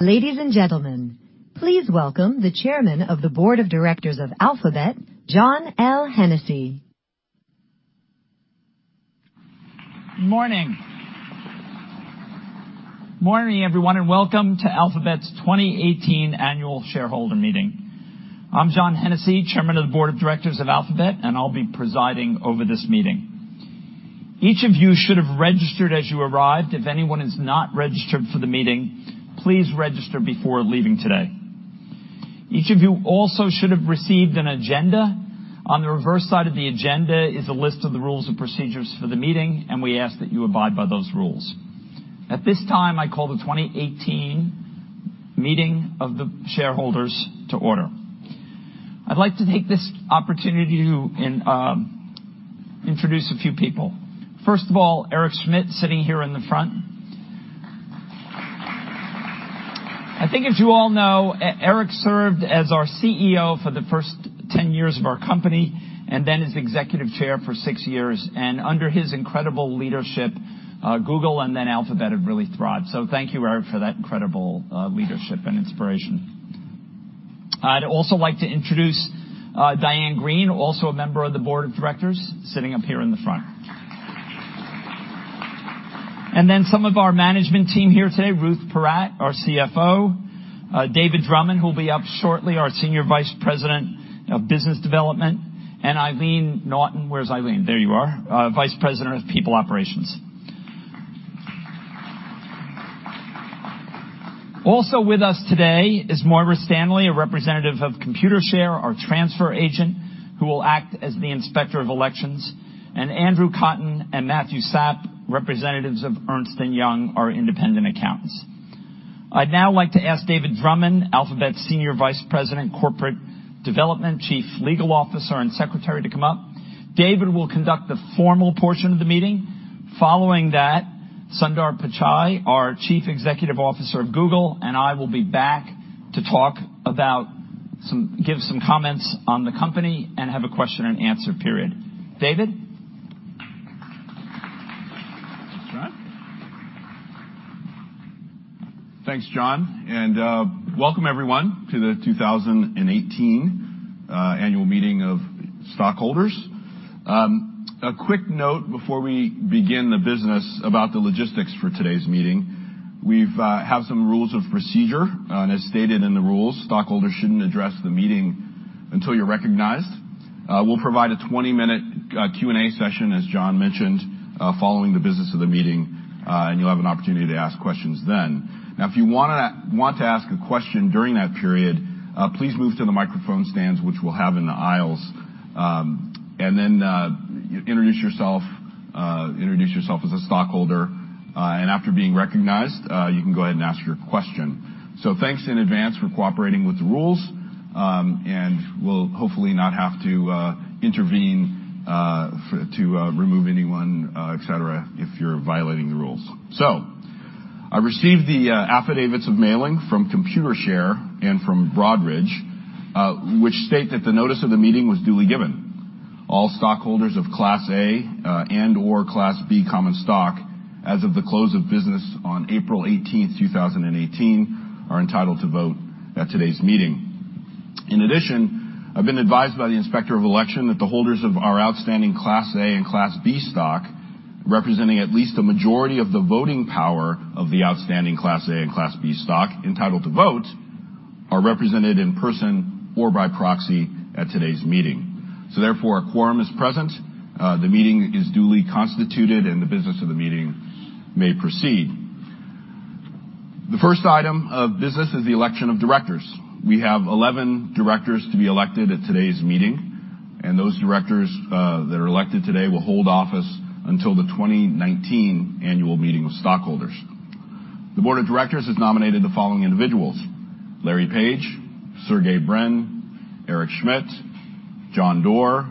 Ladies and gentlemen, please welcome the Chairman of the Board of Directors of Alphabet, John L. Hennessy. Morning. Morning, everyone, and welcome to Alphabet's 2018 Annual Shareholder Meeting. I'm John Hennessy, Chairman of the Board of Directors of Alphabet, and I'll be presiding over this meeting. Each of you should have registered as you arrived. If anyone is not registered for the meeting, please register before leaving today. Each of you also should have received an agenda. On the reverse side of the agenda is a list of the rules and procedures for the meeting, and we ask that you abide by those rules. At this time, I call the 2018 Meeting of the Shareholders to order. I'd like to take this opportunity to introduce a few people. First of all, Eric Schmidt, sitting here in the front. I think, as you all know, Eric served as our CEO for the first 10 years of our company and then as Executive Chair for six years. Under his incredible leadership, Google and then Alphabet have really thrived. So thank you, Eric, for that incredible leadership and inspiration. I'd also like to introduce Diane Greene, also a member of the Board of Directors, sitting up here in the front. And then some of our management team here today: Ruth Porat, our CFO, David Drummond, who'll be up shortly, our Senior Vice President of Business Development, and Eileen Naughton. Where's Eileen? There you are. Vice President of People Operations. Also with us today is Moira Stanley, a representative of Computershare, our transfer agent, who will act as the Inspector of Elections, and Andrew Cotton and Matthew Sapp, representatives of Ernst & Young, our Independent Accountants. I'd now like to ask David Drummond, Alphabet's Senior Vice President, Corporate Development, Chief Legal Officer, and Secretary to come up. David will conduct the formal portion of the meeting. Following that, Sundar Pichai, our Chief Executive Officer of Google, and I will be back to talk about some, give some comments on the company and have a question and answer period. David? Thanks, John. Thanks, John, and welcome, everyone, to the 2018 Annual Meeting of Stockholders. A quick note before we begin the business about the logistics for today's meeting. We have some rules of procedure, and as stated in the rules, stockholders shouldn't address the meeting until you're recognized. We'll provide a 20-minute Q&A session, as John mentioned, following the business of the meeting, and you'll have an opportunity to ask questions then. Now, if you want to ask a question during that period, please move to the microphone stands, which we'll have in the aisles, and then introduce yourself as a stockholder. And after being recognized, you can go ahead and ask your question. So thanks in advance for cooperating with the rules, and we'll hopefully not have to intervene to remove anyone, etc., if you're violating the rules. So I received the affidavits of mailing from Computershare and from Broadridge, which state that the notice of the meeting was duly given. All stockholders of Class A and/or Class B common stock, as of the close of business on April 18, 2018, are entitled to vote at today's meeting. In addition, I've been advised by the Inspector of Election that the holders of our outstanding Class A and Class B stock, representing at least a majority of the voting power of the outstanding Class A and Class B stock entitled to vote, are represented in person or by proxy at today's meeting. So therefore, a quorum is present. The meeting is duly constituted, and the business of the meeting may proceed. The first item of business is the election of directors. We have 11 directors to be elected at today's meeting, and those directors that are elected today will hold office until the 2019 Annual Meeting of Stockholders. The Board of Directors has nominated the following individuals: Larry Page, Sergey Brin, Eric Schmidt, John Doerr,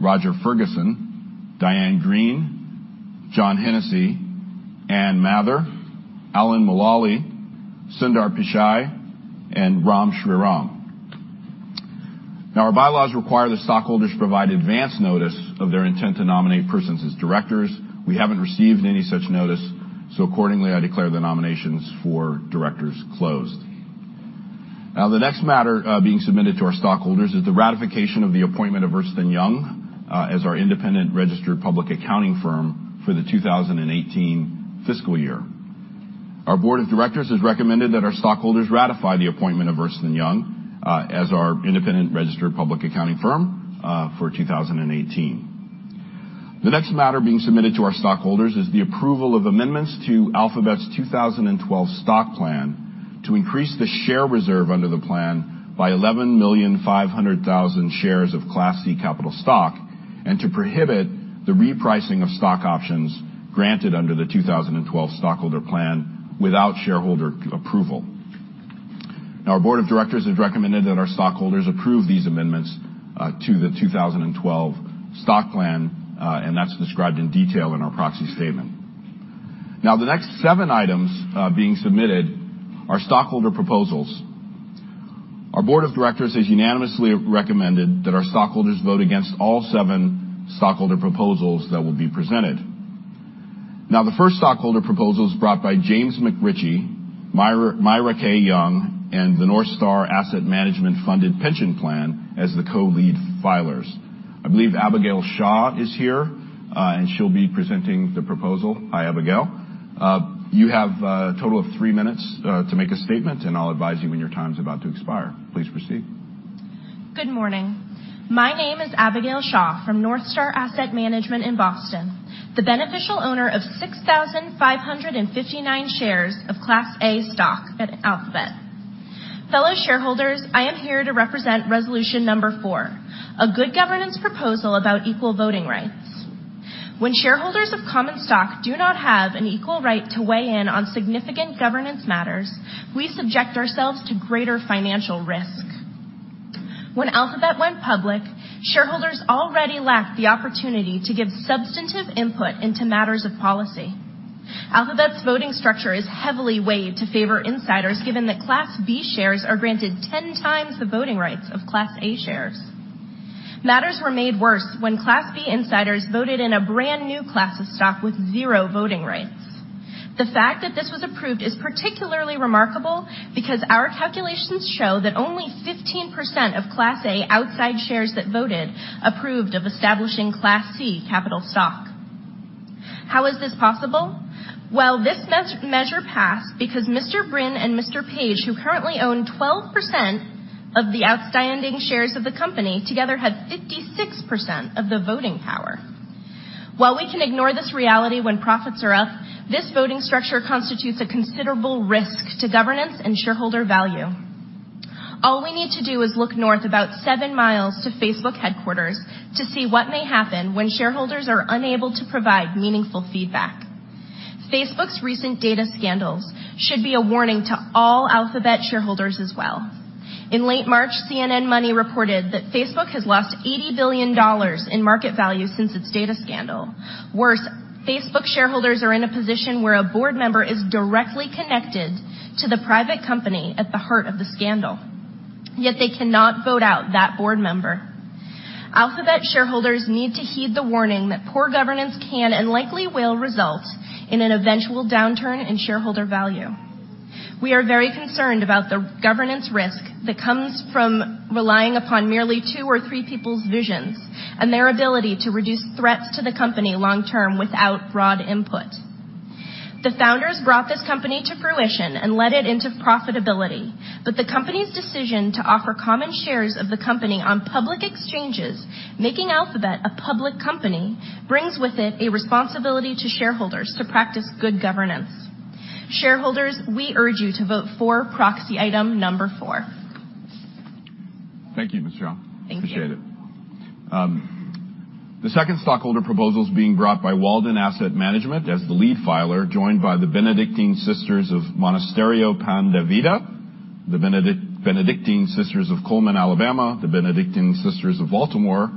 Roger Ferguson, Diane Greene, John Hennessy, Ann Mather, Alan Mulally, Sundar Pichai, and Ram Shriram. Now, our bylaws require the stockholders provide advance notice of their intent to nominate persons as directors. We haven't received any such notice, so accordingly, I declare the nominations for directors closed. Now, the next matter being submitted to our stockholders is the ratification of the appointment of Ernst & Young as our independent registered public accounting firm for the 2018 fiscal year. Our Board of Directors has recommended that our stockholders ratify the appointment of Ernst & Young as our independent registered public accounting firm for 2018. The next matter being submitted to our stockholders is the approval of amendments to Alphabet's 2012 Stock Plan to increase the share reserve under the plan by 11,500,000 shares of Class C Capital Stock and to prohibit the repricing of stock options granted under the 2012 Stockholder Plan without shareholder approval. Now, our Board of Directors has recommended that our stockholders approve these amendments to the 2012 Stock Plan, and that's described in detail in our Proxy Statement. Now, the next seven items being submitted are stockholder proposals. Our Board of Directors has unanimously recommended that our stockholders vote against all seven stockholder proposals that will be presented. Now, the first stockholder proposal is brought by James McRitchie, Myra K. Young, and the NorthStar Asset Management Funded Pension Plan as the co-lead filers. I believe Abigail Shaw is here, and she'll be presenting the proposal. Hi, Abigail. You have a total of three minutes to make a statement, and I'll advise you when your time's about to expire. Please proceed. Good morning. My name is Abigail Shaw from NorthStar Asset Management in Boston, the beneficial owner of 6,559 shares of Class A stock at Alphabet. Fellow shareholders, I am here to represent Resolution Number 4, a good governance proposal about equal voting rights. When shareholders common stock do not have an equal right to weigh in on significant governance matters, we subject ourselves to greater financial risk. When Alphabet went public, shareholders already lacked the opportunity to give substantive input into matters of policy. Alphabet's voting structure is heavily weighed to favor insiders, given that Class B shares are granted 10 times the voting rights of Class A shares. Matters were made worse when Class B insiders voted in a brand new class of stock with zero voting rights. The fact that this was approved is particularly remarkable because our calculations show that only 15% of Class A outside shares that voted approved of establishing Class C Capital Stock. How is this possible? Well, this measure passed because Mr. Brin and Mr. Page, who currently own 12% of the outstanding shares of the company, together had 56% of the voting power. While we can ignore this reality when profits are up, this voting structure constitutes a considerable risk to governance and shareholder value. All we need to do is look north about seven miles to Facebook headquarters to see what may happen when shareholders are unable to provide meaningful feedback. Facebook's recent data scandals should be a warning to all Alphabet shareholders as well. In late March, CNN Money reported that Facebook has lost $80 billion in market value since its data scandal. Worse, Facebook shareholders are in a position where a board member is directly connected to the private company at the heart of the scandal, yet they cannot vote out that board member. Alphabet shareholders need to heed the warning that poor governance can and likely will result in an eventual downturn in shareholder value. We are very concerned about the governance risk that comes from relying upon merely two or three people's visions and their ability to reduce threats to the company long-term without broad input. The founders brought this company to fruition and led it into profitability, but the company's decision to offer common shares of the company on public exchanges, making Alphabet a public company, brings with it a responsibility to shareholders to practice good governance. Shareholders, we urge you to vote for proxy item number four. Thank you, Ms. Shaw. Appreciate it. The second stockholder proposal is being brought by Walden Asset Management as the lead filer, joined by the Benedictine Sisters of Monasterio Pan de Vida, the Benedictine Sisters of Cullman, Alabama, the Benedictine Sisters of Baltimore,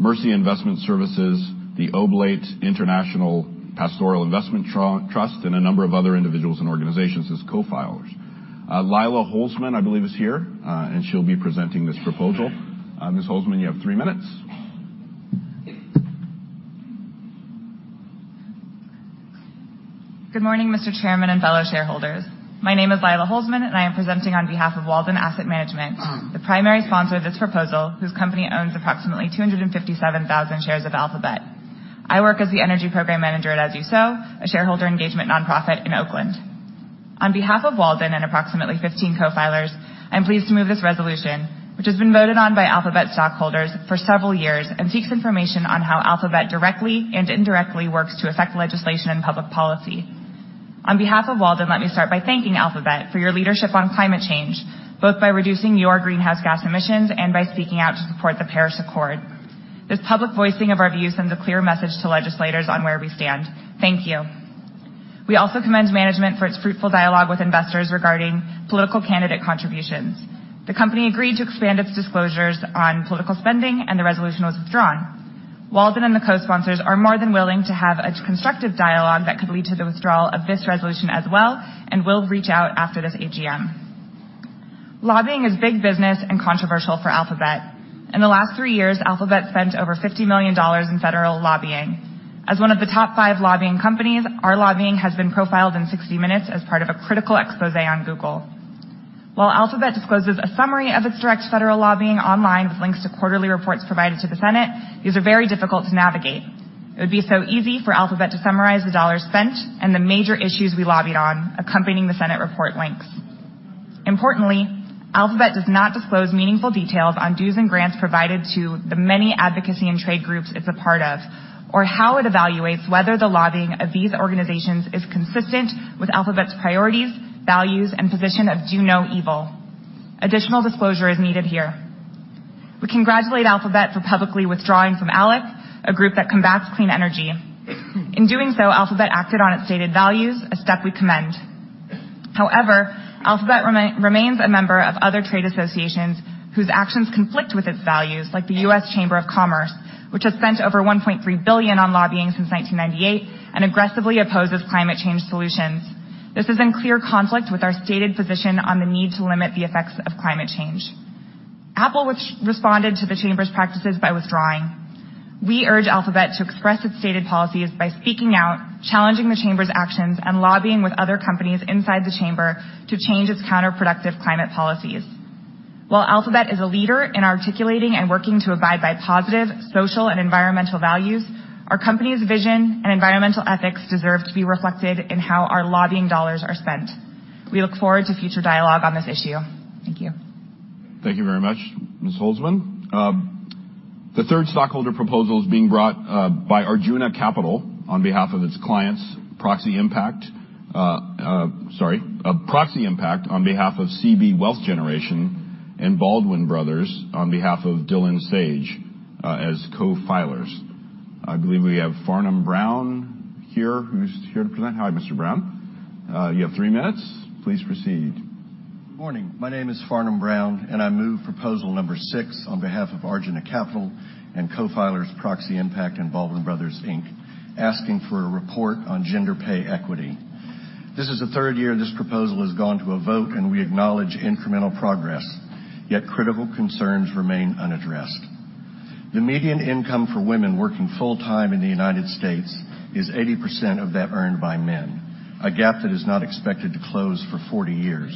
Mercy Investment Services, the Oblate International Pastoral Investment Trust, and a number of other individuals and organizations as co-filers. Lila Holzman, I believe, is here, and she'll be presenting this proposal. Ms. Holzman, you have three minutes. Good morning, Mr. Chairman and fellow shareholders. My name is Lila Holzman, and I am presenting on behalf of Walden Asset Management, the primary sponsor of this proposal, whose company owns approximately 257,000 shares of Alphabet. I work as the Energy Program Manager at As You Sow, a shareholder engagement nonprofit in Oakland. On behalf of Walden and approximately 15 co-filers, I'm pleased to move this resolution, which has been voted on by Alphabet stockholders for several years and seeks information on how Alphabet directly and indirectly works to affect legislation and public policy. On behalf of Walden, let me start by thanking Alphabet for your leadership on climate change, both by reducing your greenhouse gas emissions and by speaking out to support the Paris Accord. This public voicing of our views sends a clear message to legislators on where we stand. Thank you. We also commend management for its fruitful dialogue with investors regarding political candidate contributions. The company agreed to expand its disclosures on political spending, and the resolution was withdrawn. Walden and the co-sponsors are more than willing to have a constructive dialogue that could lead to the withdrawal of this resolution as well and will reach out after this AGM. Lobbying is big business and controversial for Alphabet. In the last three years, Alphabet spent over $50 million in federal lobbying. As one of the top five lobbying companies, our lobbying has been profiled in 60 Minutes as part of a critical expose on Google. While Alphabet discloses a summary of its direct federal lobbying online with links to quarterly reports provided to the Senate, these are very difficult to navigate. It would be so easy for Alphabet to summarize the dollars spent and the major issues we lobbied on, accompanying the Senate report links. Importantly, Alphabet does not disclose meaningful details on dues and grants provided to the many advocacy and trade groups it's a part of, or how it evaluates whether the lobbying of these organizations is consistent with Alphabet's priorities, values, and position of do no evil. Additional disclosure is needed here. We congratulate Alphabet for publicly withdrawing from ALEC, a group that combats clean energy. In doing so, Alphabet acted on its stated values, a step we commend. However, Alphabet remains a member of other trade associations whose actions conflict with its values, like the U.S. Chamber of Commerce, which has spent over $1.3 billion on lobbying since 1998 and aggressively opposes climate change solutions. This is in clear conflict with our stated position on the need to limit the effects of climate change. Apple responded to the chamber's practices by withdrawing. We urge Alphabet to express its stated policies by speaking out, challenging the chamber's actions, and lobbying with other companies inside the chamber to change its counterproductive climate policies. While Alphabet is a leader in articulating and working to abide by positive social and environmental values, our company's vision and environmental ethics deserve to be reflected in how our lobbying dollars are spent. We look forward to future dialogue on this issue. Thank you. Thank you very much, Ms. Holzman. The third stockholder proposal is being brought by Arjuna Capital on behalf of its clients, Proxy Impact, sorry, Proxy Impact on behalf of CB Wealth Generation and Baldwin Brothers on behalf of Dylan Sage as co-filers. I believe we have Farnum Brown here, who's here to present. Hi, Mr. Brown. You have three minutes. Please proceed. Good morning. My name is Farnum Brown, and I move proposal number six on behalf of Arjuna Capital and co-filers Proxy Impact and Baldwin Brothers, Inc., asking for a report on gender pay equity. This is the third year this proposal has gone to a vote, and we acknowledge incremental progress, yet critical concerns remain unaddressed. The median income for women working full-time in the United States is 80% of that earned by men, a gap that is not expected to close for 40 years.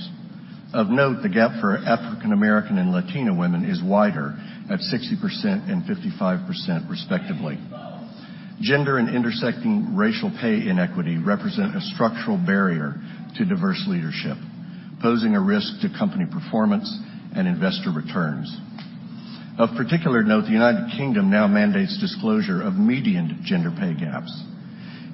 Of note, the gap for African American and Latino women is wider at 60% and 55%, respectively. Gender and intersecting racial pay inequity represent a structural barrier to diverse leadership, posing a risk to company performance and investor returns. Of particular note, the United Kingdom now mandates disclosure of median gender pay gaps.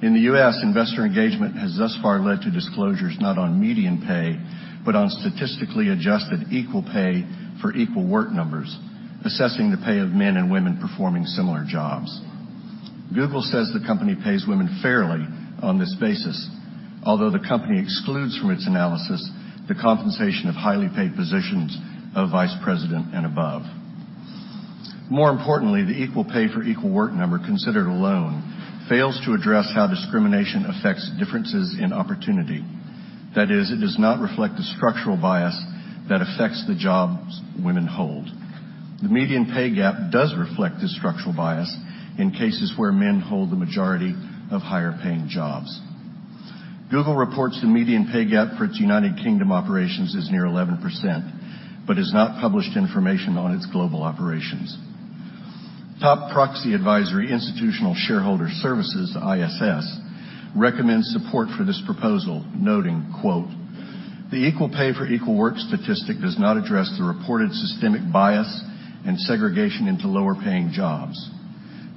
In the U.S., investor engagement has thus far led to disclosures not on median pay, but on statistically adjusted equal pay for equal work numbers, assessing the pay of men and women performing similar jobs. Google says the company pays women fairly on this basis, although the company excludes from its analysis the compensation of highly paid positions of vice president and above. More importantly, the equal pay for equal work number considered alone fails to address how discrimination affects differences in opportunity. That is, it does not reflect the structural bias that affects the jobs women hold. The median pay gap does reflect this structural bias in cases where men hold the majority of higher-paying jobs. Google reports the median pay gap for its United Kingdom operations is near 11%, but has not published information on its global operations. Top proxy advisory Institutional Shareholder Services, ISS, recommends support for this proposal, noting, "The equal pay for equal work statistic does not address the reported systemic bias and segregation into lower-paying jobs.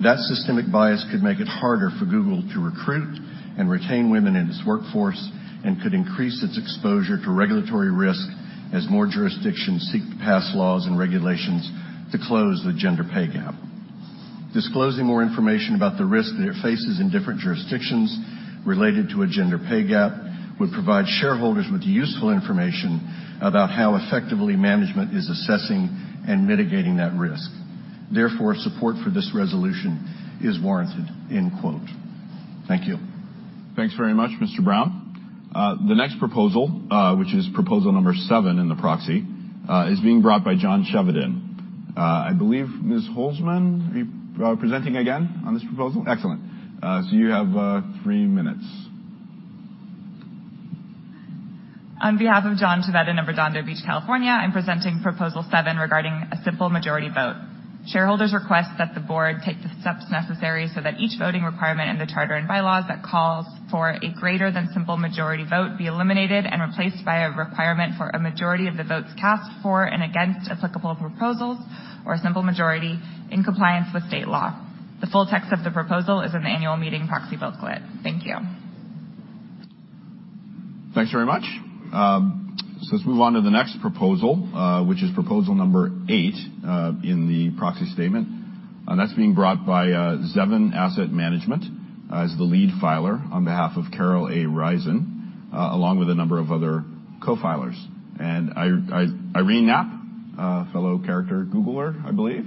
That systemic bias could make it harder for Google to recruit and retain women in its workforce and could increase its exposure to regulatory risk as more jurisdictions seek to pass laws and regulations to close the gender pay gap. Disclosing more information about the risk that it faces in different jurisdictions related to a gender pay gap would provide shareholders with useful information about how effectively management is assessing and mitigating that risk. Therefore, support for this resolution is warranted." Thank you. Thanks very much, Mr. Brown. The next proposal, which is proposal number seven in the proxy, is being brought by John Chevedden. I believe Ms. Holzman, are you presenting again on this proposal? Excellent. So you have three minutes. On behalf of John Chevedden of Redondo Beach, California, I'm presenting proposal seven regarding a simple majority vote. Shareholders request that the board take the steps necessary so that each voting requirement in the charter and bylaws that calls for a greater than simple majority vote be eliminated and replaced by a requirement for a majority of the votes cast for and against applicable proposals or a simple majority in compliance with state law. The full text of the proposal is in the annual meeting proxy booklet. Thank you. Thanks very much. So let's move on to the next proposal, which is proposal number eight in the Proxy Statement. That's being brought by Zevin Asset Management as the lead filer on behalf of Carol A. Reisen, along with a number of other co-filers. And Irene Knapp, fellow Googler, I believe,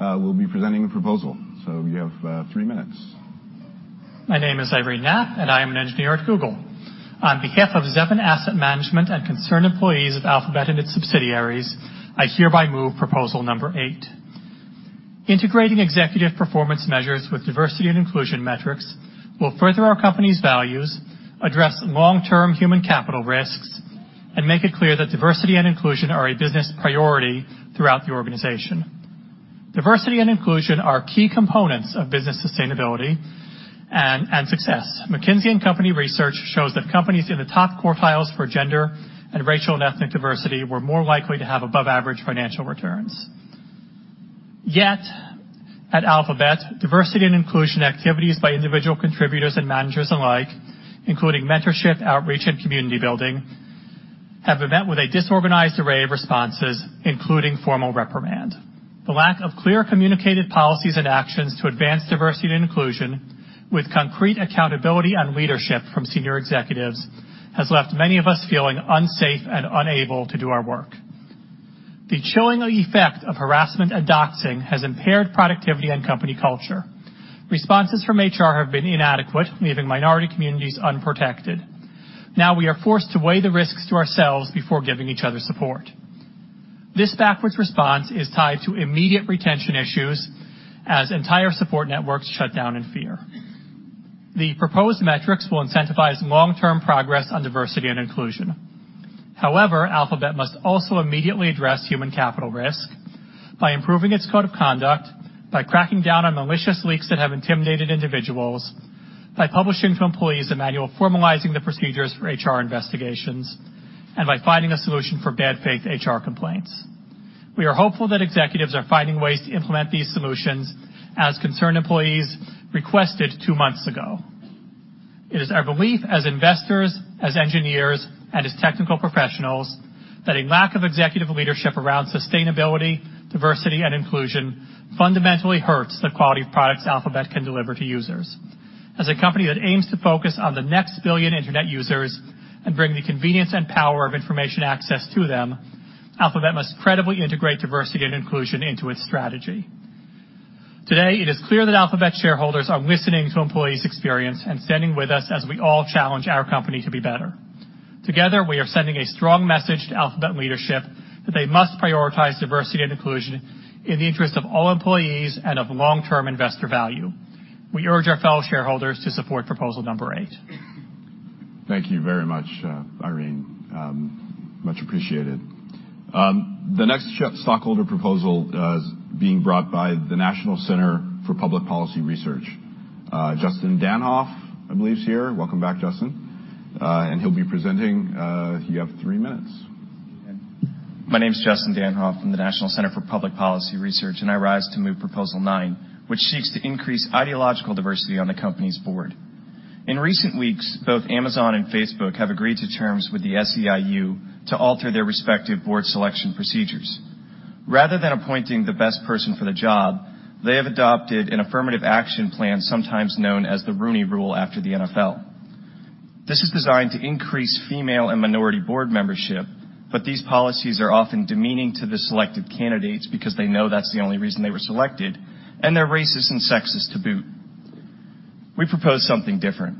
will be presenting the proposal. So you have three minutes. My name is Irene Knapp, and I am an engineer at Google. On behalf of Zevin Asset Management and concerned employees of Alphabet and its subsidiaries, I hereby move proposal number eight. Integrating executive performance measures with diversity and inclusion metrics will further our company's values, address long-term human capital risks, and make it clear that diversity and inclusion are a business priority throughout the organization. Diversity and inclusion are key components of business sustainability and success. McKinsey & Company research shows that companies in the top quartiles for gender and racial and ethnic diversity were more likely to have above-average financial returns. Yet, at Alphabet, diversity and inclusion activities by individual contributors and managers alike, including mentorship, outreach, and community building, have been met with a disorganized array of responses, including formal reprimand. The lack of clear communicated policies and actions to advance diversity and inclusion, with concrete accountability and leadership from senior executives, has left many of us feeling unsafe and unable to do our work. The chilling effect of harassment and doxing has impaired productivity and company culture. Responses from HR have been inadequate, leaving minority communities unprotected. Now we are forced to weigh the risks to ourselves before giving each other support. This backwards response is tied to immediate retention issues as entire support networks shut down in fear. The proposed metrics will incentivize long-term progress on diversity and inclusion. However, Alphabet must also immediately address human capital risk by improving its Code of Conduct, by cracking down on malicious leaks that have intimidated individuals, by publishing to employees a manual formalizing the procedures for HR investigations, and by finding a solution for bad faith HR complaints. We are hopeful that executives are finding ways to implement these solutions, as concerned employees requested two months ago. It is our belief, as investors, as engineers, and as technical professionals, that a lack of executive leadership around sustainability, diversity, and inclusion fundamentally hurts the quality of products Alphabet can deliver to users. As a company that aims to focus on the next billion internet users and bring the convenience and power of information access to them, Alphabet must credibly integrate diversity and inclusion into its strategy. Today, it is clear that Alphabet shareholders are listening to employees' experience and standing with us as we all challenge our company to be better. Together, we are sending a strong message to Alphabet leadership that they must prioritize diversity and inclusion in the interest of all employees and of long-term investor value. We urge our fellow shareholders to support proposal number eight. Thank you very much, Irene. Much appreciated. The next stockholder proposal is being brought by the National Center for Public Policy Research. Justin Danhoff, I believe, is here. Welcome back, Justin. And he'll be presenting. You have three minutes. My name is Justin Danhoff from the National Center for Public Policy Research, and I rise to move proposal nine, which seeks to increase ideological diversity on the company's board. In recent weeks, both Amazon and Facebook have agreed to terms with the SEIU to alter their respective board selection procedures. Rather than appointing the best person for the job, they have adopted an affirmative action plan, sometimes known as the Rooney Rule after the NFL. This is designed to increase female and minority board membership, but these policies are often demeaning to the selected candidates because they know that's the only reason they were selected, and they're racist and sexist to boot. We propose something different.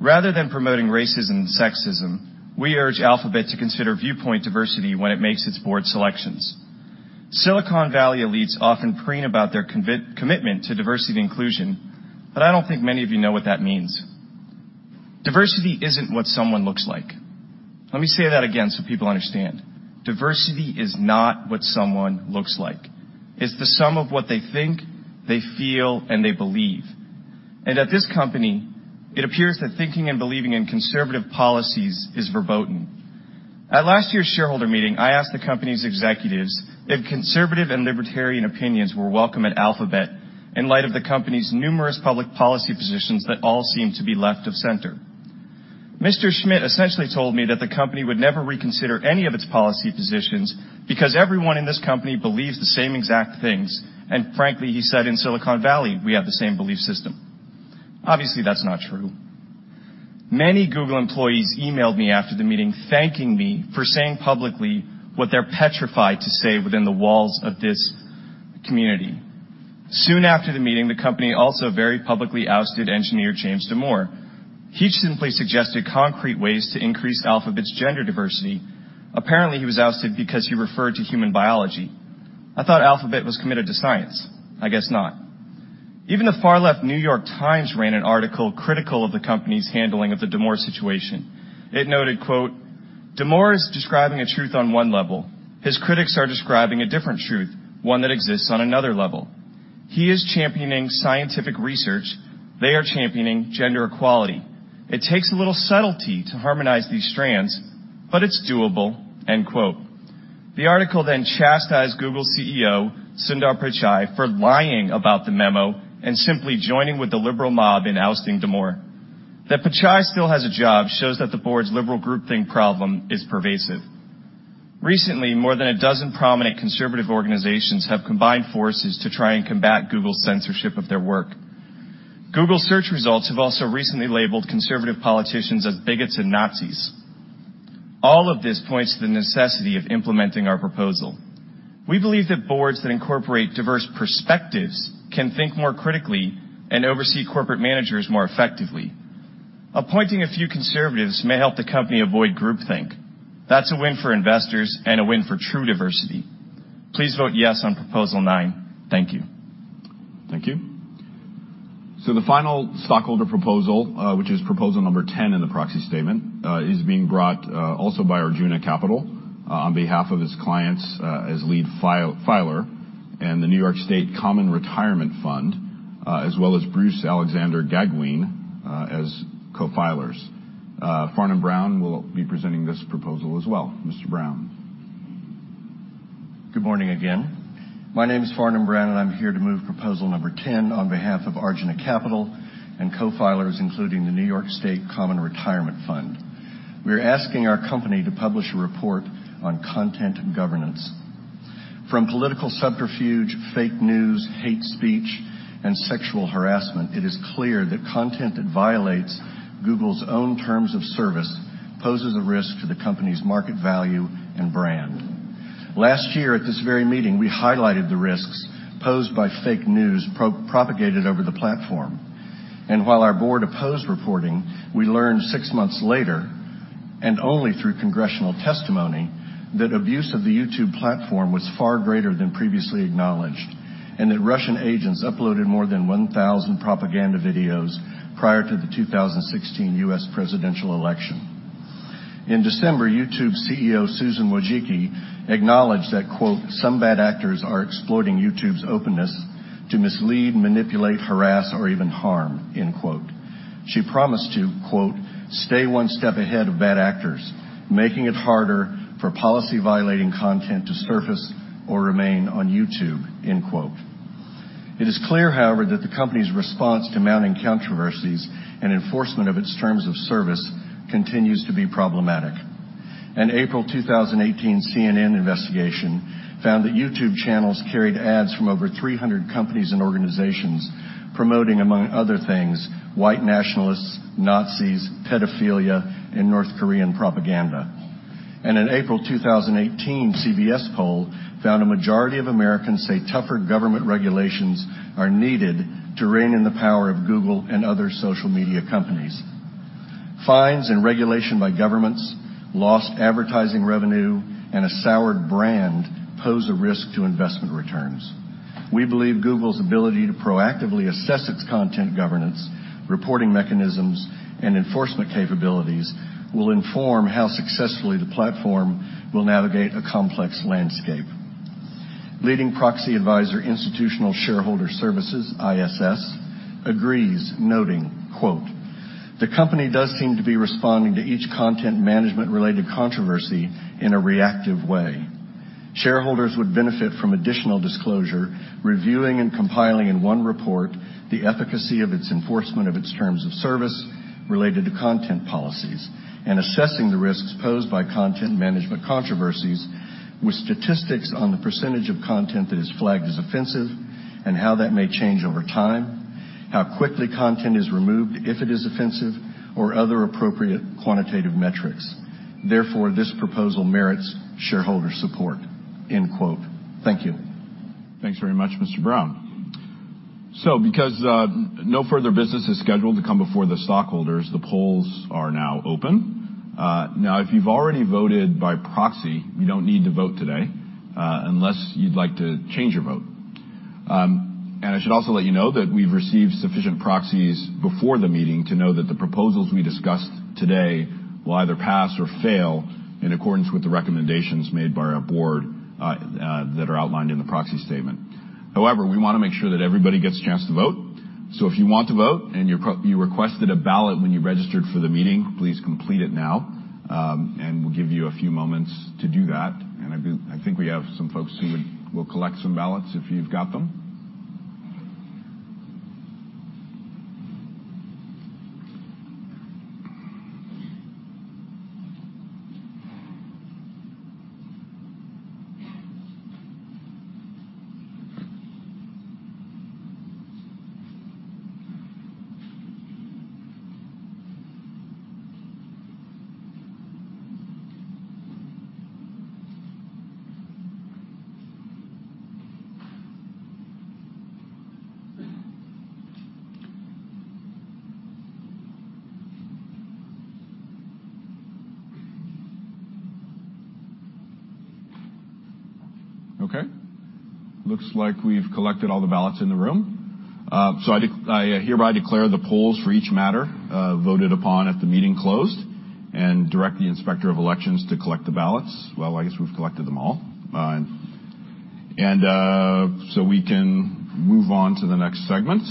Rather than promoting racism and sexism, we urge Alphabet to consider viewpoint diversity when it makes its board selections. Silicon Valley elites often preen about their commitment to diversity and inclusion, but I don't think many of you know what that means. Diversity isn't what someone looks like. Let me say that again so people understand. Diversity is not what someone looks like. It's the sum of what they think, they feel, and they believe, and at this company, it appears that thinking and believing in conservative policies is verboten. At last year's shareholder meeting, I asked the company's executives if conservative and libertarian opinions were welcome at Alphabet in light of the company's numerous public policy positions that all seem to be left of center. Mr. Schmidt essentially told me that the company would never reconsider any of its policy positions because everyone in this company believes the same exact things, and frankly, he said in Silicon Valley, we have the same belief system. Obviously, that's not true. Many Google employees emailed me after the meeting, thanking me for saying publicly what they're petrified to say within the walls of this community. Soon after the meeting, the company also very publicly ousted engineer James Damore. He just simply suggested concrete ways to increase Alphabet's gender diversity. Apparently, he was ousted because he referred to human biology. I thought Alphabet was committed to science. I guess not. Even the far-left New York Times ran an article critical of the company's handling of the Damore situation. It noted, "Damore is describing a truth on one level. His critics are describing a different truth, one that exists on another level. He is championing scientific research. They are championing gender equality. It takes a little subtlety to harmonize these strands, but it's doable." The article then chastised Google CEO Sundar Pichai for lying about the memo and simply joining with the liberal mob in ousting Damore. That Pichai still has a job shows that the board's liberal groupthink problem is pervasive. Recently, more than a dozen prominent conservative organizations have combined forces to try and combat Google's censorship of their work. Google search results have also recently labeled conservative politicians as bigots and Nazis. All of this points to the necessity of implementing our proposal. We believe that boards that incorporate diverse perspectives can think more critically and oversee corporate managers more effectively. Appointing a few conservatives may help the company avoid groupthink. That's a win for investors and a win for true diversity. Please vote yes on proposal nine. Thank you. Thank you, so the final stockholder proposal, which is proposal number 10 in the Proxy Statement, is being brought also by Arjuna Capital on behalf of its clients as lead filer and the New York State Common Retirement Fund, as well as Bruce Alexander Magowan as co-filers. Farnum Brown will be presenting this proposal as well. Mr. Brown. Good morning again. My name is Farnum Brown, and I'm here to move proposal number 10 on behalf of Arjuna Capital and co-filers, including the New York State Common Retirement Fund. We are asking our company to publish a report on content governance. From political subterfuge, fake news, hate speech, and sexual harassment, it is clear that content that violates Google's own Terms of Service poses a risk to the company's market value and brand. Last year, at this very meeting, we highlighted the risks posed by fake news propagated over the platform. And while our board opposed reporting, we learned six months later, and only through congressional testimony, that abuse of the YouTube platform was far greater than previously acknowledged, and that Russian agents uploaded more than 1,000 propaganda videos prior to the 2016 U.S. presidential election. In December, YouTube CEO Susan Wojcicki acknowledged that, "Some bad actors are exploiting YouTube's openness to mislead, manipulate, harass, or even harm." She promised to, "Stay one step ahead of bad actors, making it harder for policy-violating content to surface or remain on YouTube." It is clear, however, that the company's response to mounting controversies and enforcement of its terms of service continues to be problematic. An April 2018 CNN investigation found that YouTube channels carried ads from over 300 companies and organizations promoting, among other things, white nationalists, Nazis, pedophilia, and North Korean propaganda. And an April 2018 CBS poll found a majority of Americans say tougher government regulations are needed to rein in the power of Google and other social media companies. Fines and regulation by governments, lost advertising revenue, and a soured brand pose a risk to investment returns. We believe Google's ability to proactively assess its content governance, reporting mechanisms, and enforcement capabilities will inform how successfully the platform will navigate a complex landscape. Leading proxy advisor, Institutional Shareholder Services, ISS, agrees, noting, "The company does seem to be responding to each content management-related controversy in a reactive way. Shareholders would benefit from additional disclosure, reviewing and compiling in one report the efficacy of its enforcement of its terms of service related to content policies, and assessing the risks posed by content management controversies with statistics on the percentage of content that is flagged as offensive and how that may change over time, how quickly content is removed if it is offensive, or other appropriate quantitative metrics. Therefore, this proposal merits shareholder support." Thank you. Thanks very much, Mr. Brown. So because no further business is scheduled to come before the stockholders, the polls are now open. Now, if you've already voted by proxy, you don't need to vote today unless you'd like to change your vote. And I should also let you know that we've received sufficient proxies before the meeting to know that the proposals we discussed today will either pass or fail in accordance with the recommendations made by our board that are outlined in the Proxy Statement. However, we want to make sure that everybody gets a chance to vote. So if you want to vote and you requested a ballot when you registered for the meeting, please complete it now. And we'll give you a few moments to do that. And I think we have some folks who will collect some ballots if you've got them. Okay. Looks like we've collected all the ballots in the room, so I hereby declare the polls for each matter voted upon at the meeting closed and direct the Inspector of Elections to collect the ballots, well, I guess we've collected them all, and so we can move on to the next segment,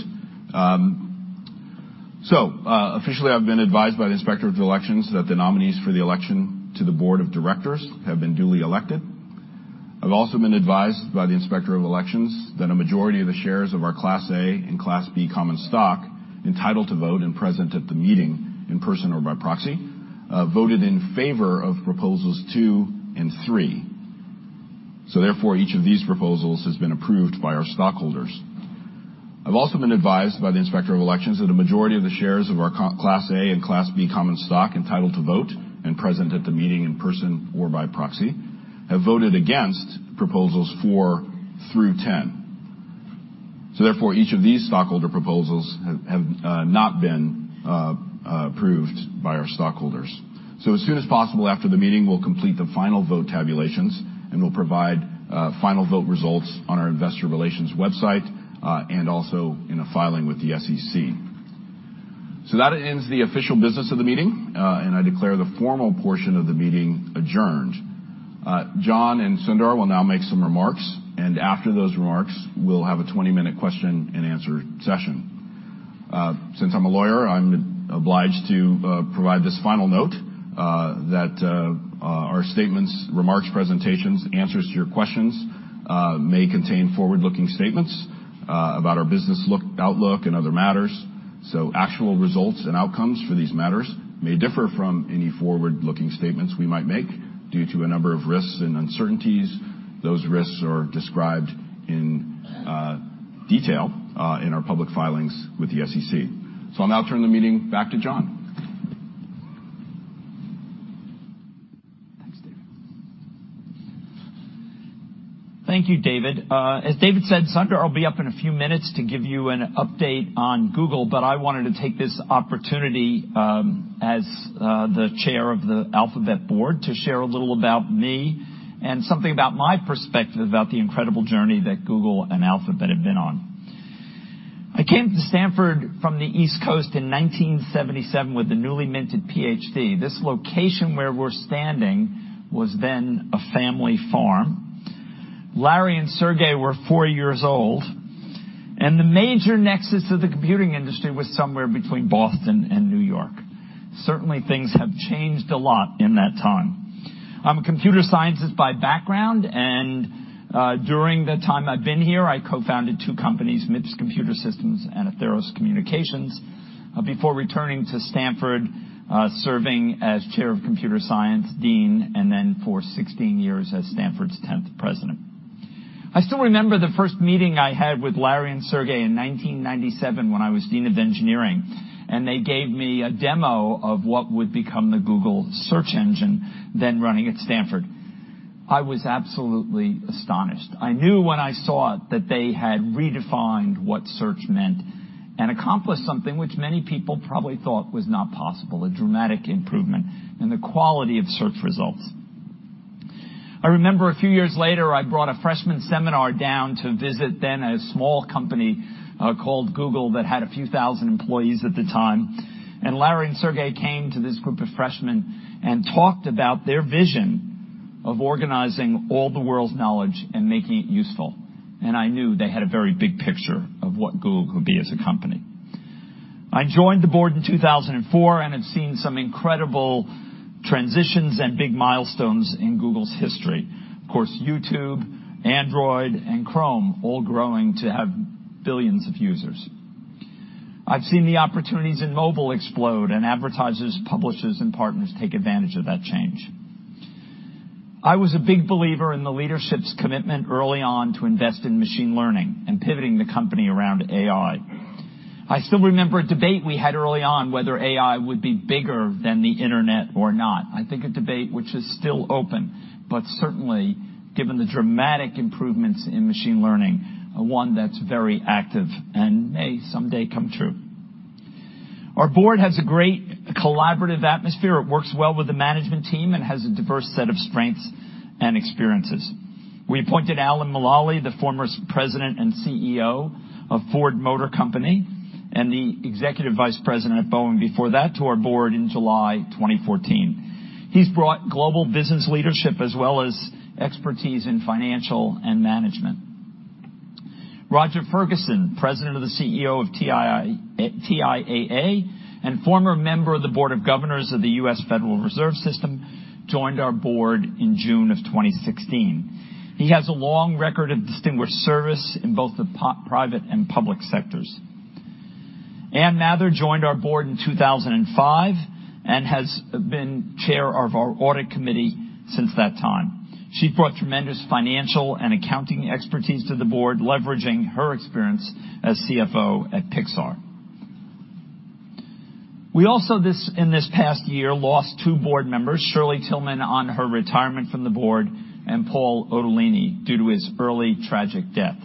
so officially, I've been advised by the Inspector of Elections that the nominees for the election to the Board of Directors have been duly elected. I've also been advised by the Inspector of Elections that a majority of the shares of our Class A and Class B common stock entitled to vote and present at the meeting in person or by proxy voted in favor of proposals two and three, so therefore, each of these proposals has been approved by our stockholders. I've also been advised by the Inspector of Elections that a majority of the shares of our Class A and Class common stock entitled to vote and present at the meeting in person or by proxy have voted against proposals four through ten. So therefore, each of these stockholder proposals have not been approved by our stockholders. So as soon as possible after the meeting, we'll complete the final vote tabulations and we'll provide final vote results on our investor relations website and also in a filing with the SEC. So that ends the official business of the meeting, and I declare the formal portion of the meeting adjourned. John and Sundar will now make some remarks, and after those remarks, we'll have a 20-minute question and answer session. Since I'm a lawyer, I'm obliged to provide this final note that our statements, remarks, presentations, answers to your questions may contain forward-looking statements about our business outlook and other matters. So actual results and outcomes for these matters may differ from any forward-looking statements we might make due to a number of risks and uncertainties. Those risks are described in detail in our public filings with the SEC. So I'll now turn the meeting back to John. Thank you, David. As David said, Sundar will be up in a few minutes to give you an update on Google, but I wanted to take this opportunity as the Chair of the Alphabet Board to share a little about me and something about my perspective about the incredible journey that Google and Alphabet have been on. I came to Stanford from the East Coast in 1977 with a newly minted PhD. This location where we're standing was then a family farm. Larry and Sergey were four years old, and the major nexus of the computing industry was somewhere between Boston and New York. Certainly, things have changed a lot in that time. I'm a computer scientist by background, and during the time I've been here, I co-founded two companies, MIPS Computer Systems and Atheros Communications, before returning to Stanford, serving as chair of computer science, dean, and then for 16 years as Stanford's 10th president. I still remember the first meeting I had with Larry and Sergey in 1997 when I was dean of engineering, and they gave me a demo of what would become the Google search engine then running at Stanford. I was absolutely astonished. I knew when I saw it that they had redefined what search meant and accomplished something which many people probably thought was not possible: a dramatic improvement in the quality of search results. I remember a few years later, I brought a freshman seminar down to visit, then a small company called Google that had a few thousand employees at the time. Larry and Sergey came to this group of freshmen and talked about their vision of organizing all the world's knowledge and making it useful. I knew they had a very big picture of what Google could be as a company. I joined the board in 2004 and have seen some incredible transitions and big milestones in Google's history. Of course, YouTube, Android, and Chrome all growing to have billions of users. I've seen the opportunities in mobile explode and advertisers, publishers, and partners take advantage of that change. I was a big believer in the leadership's commitment early on to invest in machine learning and pivoting the company around AI. I still remember a debate we had early on whether AI would be bigger than the internet or not. I think a debate which is still open, but certainly, given the dramatic improvements in machine learning, one that's very active and may someday come true. Our board has a great collaborative atmosphere. It works well with the management team and has a diverse set of strengths and experiences. We appointed Alan Mulally, the former President and CEO of Ford Motor Company and the Executive Vice President at Boeing before that, to our board in July 2014. He's brought global business leadership as well as expertise in financial and management. Roger Ferguson, President and CEO of TIAA and former member of the Board of Governors of the U.S. Federal Reserve System, joined our board in June of 2016. He has a long record of distinguished service in both the private and public sectors. Ann Mather joined our board in 2005 and has been chair of our audit committee since that time. She brought tremendous financial and accounting expertise to the board, leveraging her experience as CFO at Pixar. We also, in this past year, lost two board members, Shirley Tilghman on her retirement from the board and Paul Otellini due to his early tragic death.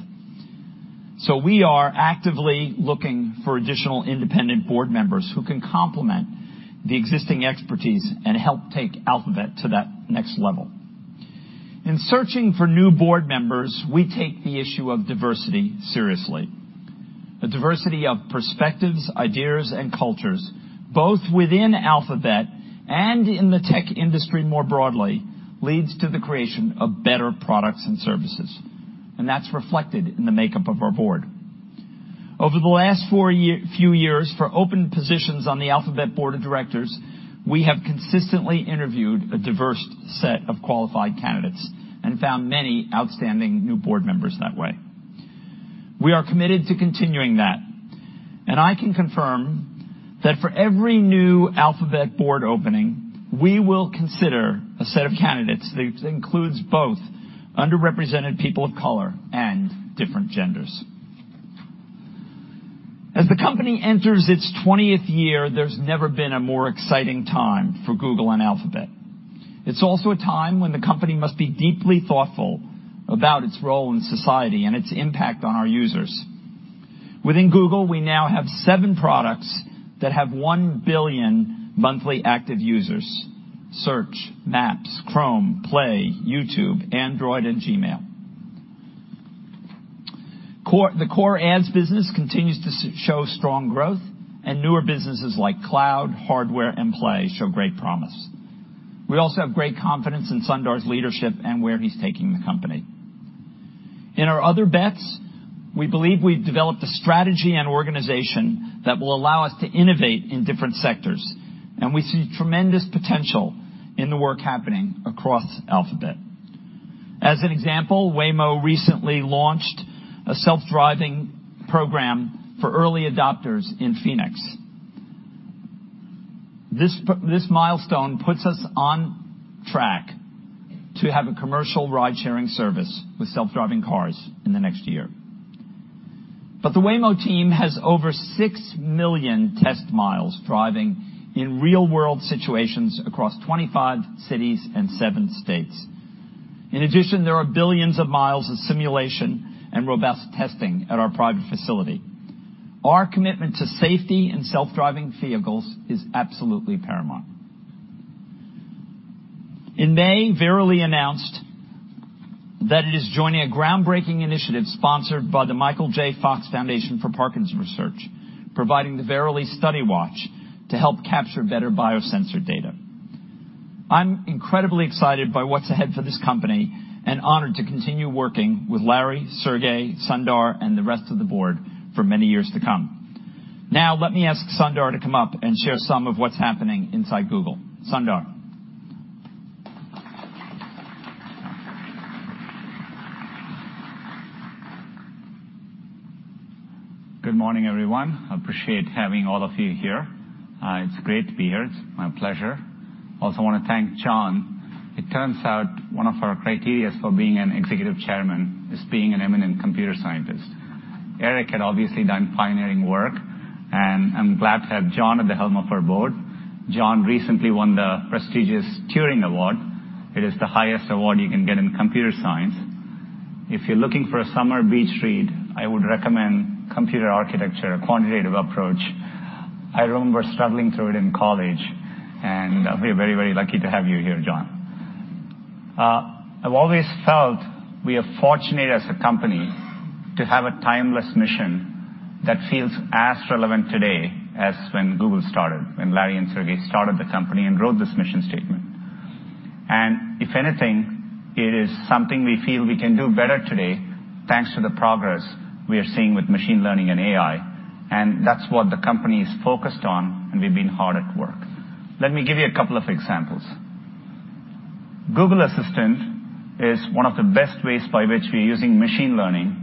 So we are actively looking for additional independent board members who can complement the existing expertise and help take Alphabet to that next level. In searching for new board members, we take the issue of diversity seriously. A diversity of perspectives, ideas, and cultures, both within Alphabet and in the tech industry more broadly, leads to the creation of better products and services, and that's reflected in the makeup of our board. Over the last few years, for open positions on the Alphabet Board of Directors, we have consistently interviewed a diverse set of qualified candidates and found many outstanding new board members that way. We are committed to continuing that. And I can confirm that for every new Alphabet board opening, we will consider a set of candidates that includes both underrepresented people of color and different genders. As the company enters its 20th year, there's never been a more exciting time for Google and Alphabet. It's also a time when the company must be deeply thoughtful about its role in society and its impact on our users. Within Google, we now have seven products that have 1 billion monthly active users: Search, Maps, Chrome, Play, YouTube, Android, and Gmail. The core ads business continues to show strong growth, and newer businesses like cloud, hardware, and Play show great promise. We also have great confidence in Sundar's leadership and where he's taking the company. In our other bets, we believe we've developed a strategy and organization that will allow us to innovate in different sectors. And we see tremendous potential in the work happening across Alphabet. As an example, Waymo recently launched a self-driving program for early adopters in Phoenix. This milestone puts us on track to have a commercial ride-sharing service with self-driving cars in the next year. But the Waymo team has over six million test miles driving in real-world situations across 25 cities and seven states. In addition, there are billions of miles of simulation and robust testing at our private facility. Our commitment to safety and self-driving vehicles is absolutely paramount. In May, Verily announced that it is joining a groundbreaking initiative sponsored by the Michael J. Fox Foundation for Parkinson's Research, providing the Verily Study Watch to help capture better biosensor data. I'm incredibly excited by what's ahead for this company and honored to continue working with Larry, Sergey, Sundar, and the rest of the board for many years to come. Now, let me ask Sundar to come up and share some of what's happening inside Google. Sundar. Good morning, everyone. I appreciate having all of you here. It's great to be here. It's my pleasure. I also want to thank John. It turns out one of our criteria for being an executive chairman is being an eminent computer scientist. Eric had obviously done pioneering work, and I'm glad to have John at the helm of our board. John recently won the prestigious Turing Award. It is the highest award you can get in computer science. If you're looking for a summer beach read, I would recommend Computer Architecture: A Quantitative Approach. I remember struggling through it in college, and we are very, very lucky to have you here, John. I've always felt we are fortunate as a company to have a timeless mission that feels as relevant today as when Google started, when Larry and Sergey started the company and wrote this mission statement. And if anything, it is something we feel we can do better today thanks to the progress we are seeing with machine learning and AI. And that's what the company is focused on, and we've been hard at work. Let me give you a couple of examples. Google Assistant is one of the best ways by which we are using machine learning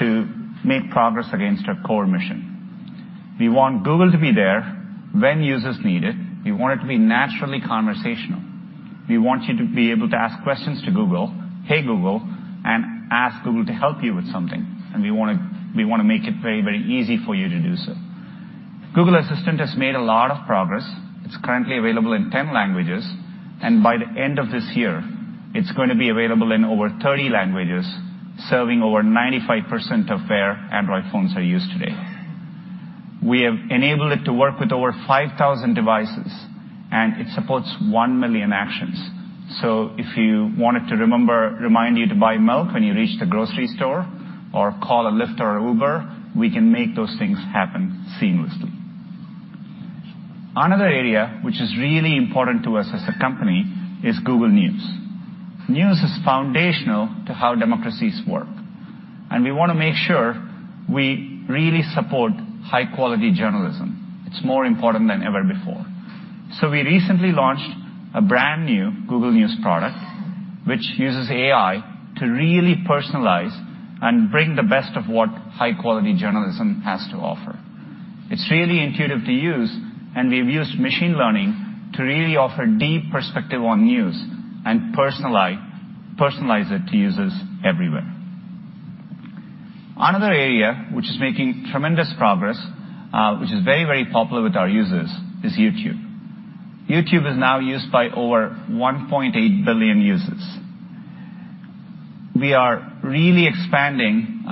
to make progress against our core mission. We want Google to be there when users need it. We want it to be naturally conversational. We want you to be able to ask questions to Google, "Hey, Google," and ask Google to help you with something. And we want to make it very, very easy for you to do so. Google Assistant has made a lot of progress. It's currently available in 10 languages. By the end of this year, it's going to be available in over 30 languages, serving over 95% of where Android phones are used today. We have enabled it to work with over 5,000 devices, and it supports 1 million actions. So if you wanted to remind you to buy milk when you reach the grocery store or call a Lyft or Uber, we can make those things happen seamlessly. Another area which is really important to us as a company is Google News. News is foundational to how democracies work. We want to make sure we really support high-quality journalism. It's more important than ever before. We recently launched a brand new Google News product which uses AI to really personalize and bring the best of what high-quality journalism has to offer. It's really intuitive to use, and we've used machine learning to really offer deep perspective on news and personalize it to users everywhere. Another area which is making tremendous progress, which is very, very popular with our users, is YouTube. YouTube is now used by over 1.8 billion users. We are really expanding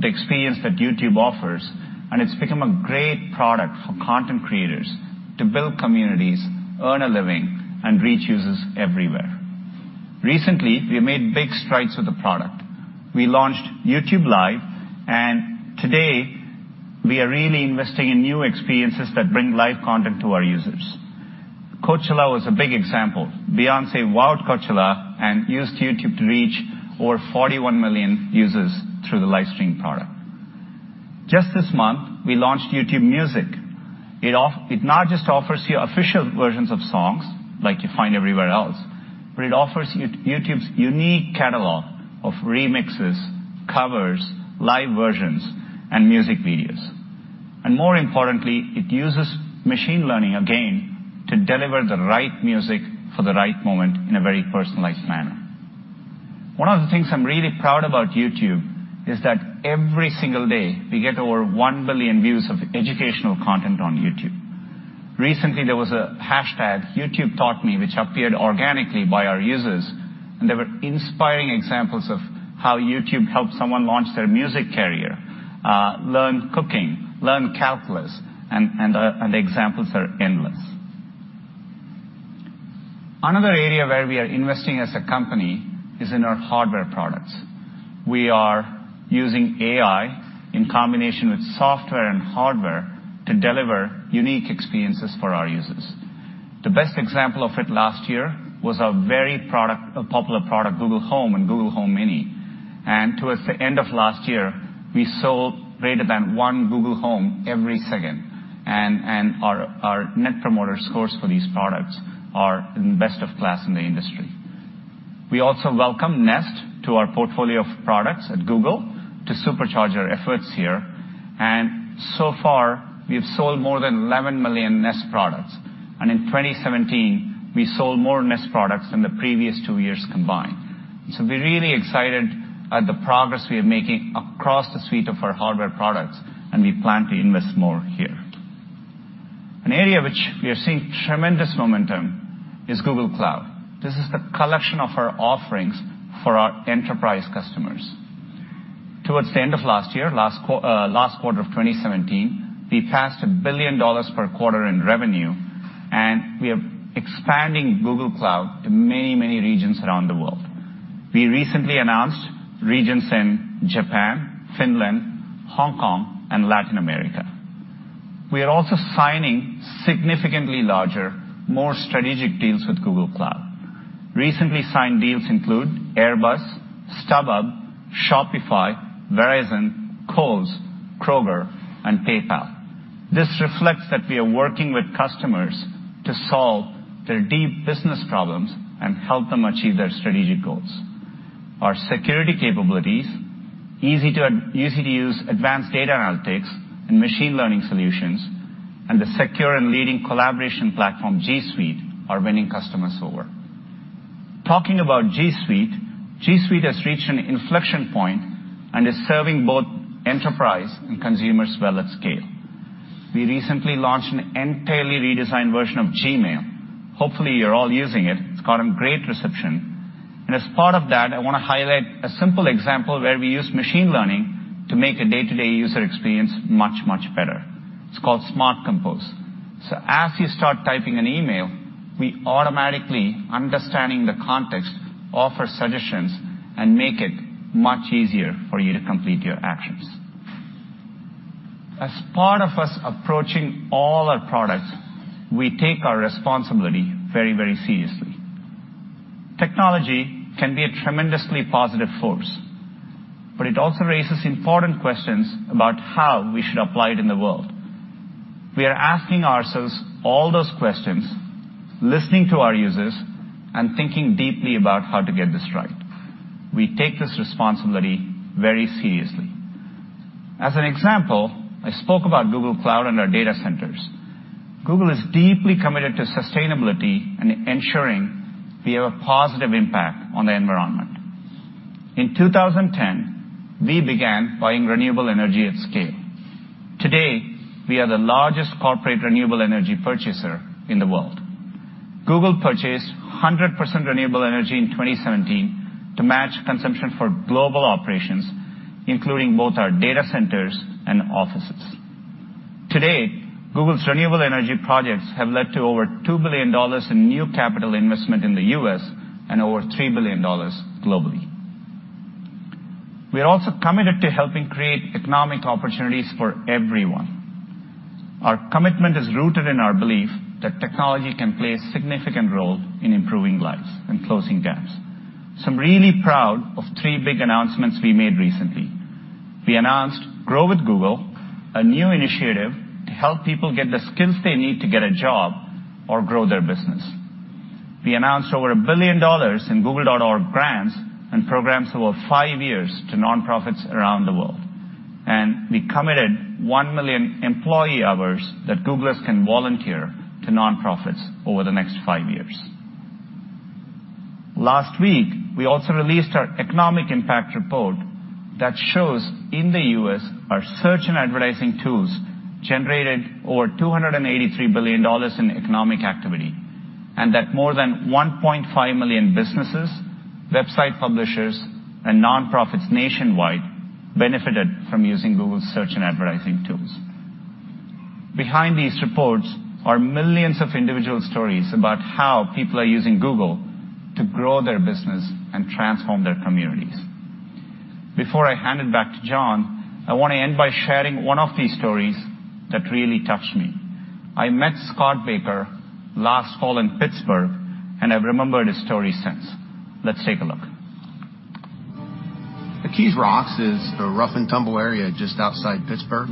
the experience that YouTube offers, and it's become a great product for content creators to build communities, earn a living, and reach users everywhere. Recently, we have made big strides with the product. We launched YouTube Live, and today, we are really investing in new experiences that bring live content to our users. Coachella was a big example. Beyoncé wowed Coachella and used YouTube to reach over 41 million users through the livestream product. Just this month, we launched YouTube Music. It's not just offers you official versions of songs like you find everywhere else, but it offers YouTube's unique catalog of remixes, covers, live versions, and music videos. More importantly, it uses machine learning again to deliver the right music for the right moment in a very personalized manner. One of the things I'm really proud about YouTube is that every single day, we get over one billion views of educational content on YouTube. Recently, there was a hashtag, #YouTubeTaughtMe, which appeared organically by our users. There were inspiring examples of how YouTube helped someone launch their music career, learn cooking, learn calculus, and the examples are endless. Another area where we are investing as a company is in our hardware products. We are using AI in combination with software and hardware to deliver unique experiences for our users. The best example of it last year was a very popular product, Google Home and Google Home Mini. And towards the end of last year, we sold greater than one Google Home every second. And our Net Promoter Scores for these products are in the best of class in the industry. We also welcome Nest to our portfolio of products at Google to supercharge our efforts here. And so far, we have sold more than 11 million Nest products. And in 2017, we sold more Nest products than the previous two years combined. So we're really excited at the progress we are making across the suite of our hardware products, and we plan to invest more here. An area which we are seeing tremendous momentum is Google Cloud. This is the collection of our offerings for our enterprise customers. Towards the end of last year, last quarter of 2017, we passed $1 billion per quarter in revenue, and we are expanding Google Cloud to many, many regions around the world. We recently announced regions in Japan, Finland, Hong Kong, and Latin America. We are also signing significantly larger, more strategic deals with Google Cloud. Recently signed deals include Airbus, StubHub, Shopify, Verizon, Kohl's, Kroger, and PayPal. This reflects that we are working with customers to solve their deep business problems and help them achieve their strategic goals. Our security capabilities, easy-to-use advanced data analytics and machine learning solutions, and the secure and leading collaboration platform, G Suite, are winning customers over. Talking about G Suite, G Suite has reached an inflection point and is serving both enterprise and consumers well at scale. We recently launched an entirely redesigned version of Gmail. Hopefully, you're all using it. It's gotten great reception. And as part of that, I want to highlight a simple example where we use machine learning to make a day-to-day user experience much, much better. It's called Smart Compose. So as you start typing an email, we automatically, understanding the context, offer suggestions and make it much easier for you to complete your actions. As part of us approaching all our products, we take our responsibility very, very seriously. Technology can be a tremendously positive force, but it also raises important questions about how we should apply it in the world. We are asking ourselves all those questions, listening to our users, and thinking deeply about how to get this right. We take this responsibility very seriously. As an example, I spoke about Google Cloud and our data centers. Google is deeply committed to sustainability and ensuring we have a positive impact on the environment. In 2010, we began buying renewable energy at scale. Today, we are the largest corporate renewable energy purchaser in the world. Google purchased 100% renewable energy in 2017 to match consumption for global operations, including both our data centers and offices. Today, Google's renewable energy projects have led to over $2 billion in new capital investment in the U.S. and over $3 billion globally. We are also committed to helping create economic opportunities for everyone. Our commitment is rooted in our belief that technology can play a significant role in improving lives and closing gaps. So I'm really proud of three big announcements we made recently. We announced Grow with Google, a new initiative to help people get the skills they need to get a job or grow their business. We announced over $1 billion in Google.org grants and programs over five years to nonprofits around the world. And we committed 1 million employee hours that Googlers can volunteer to nonprofits over the next five years. Last week, we also released our economic impact report that shows in the U.S. our search and advertising tools generated over $283 billion in economic activity and that more than 1.5 million businesses, website publishers, and nonprofits nationwide benefited from using Google's search and advertising tools. Behind these reports are millions of individual stories about how people are using Google to grow their business and transform their communities. Before I hand it back to John, I want to end by sharing one of these stories that really touched me. I met Scott Baker last fall in Pittsburgh, and I've remembered his story since. Let's take a look. McKees Rocks is a rough and tumble area just outside Pittsburgh.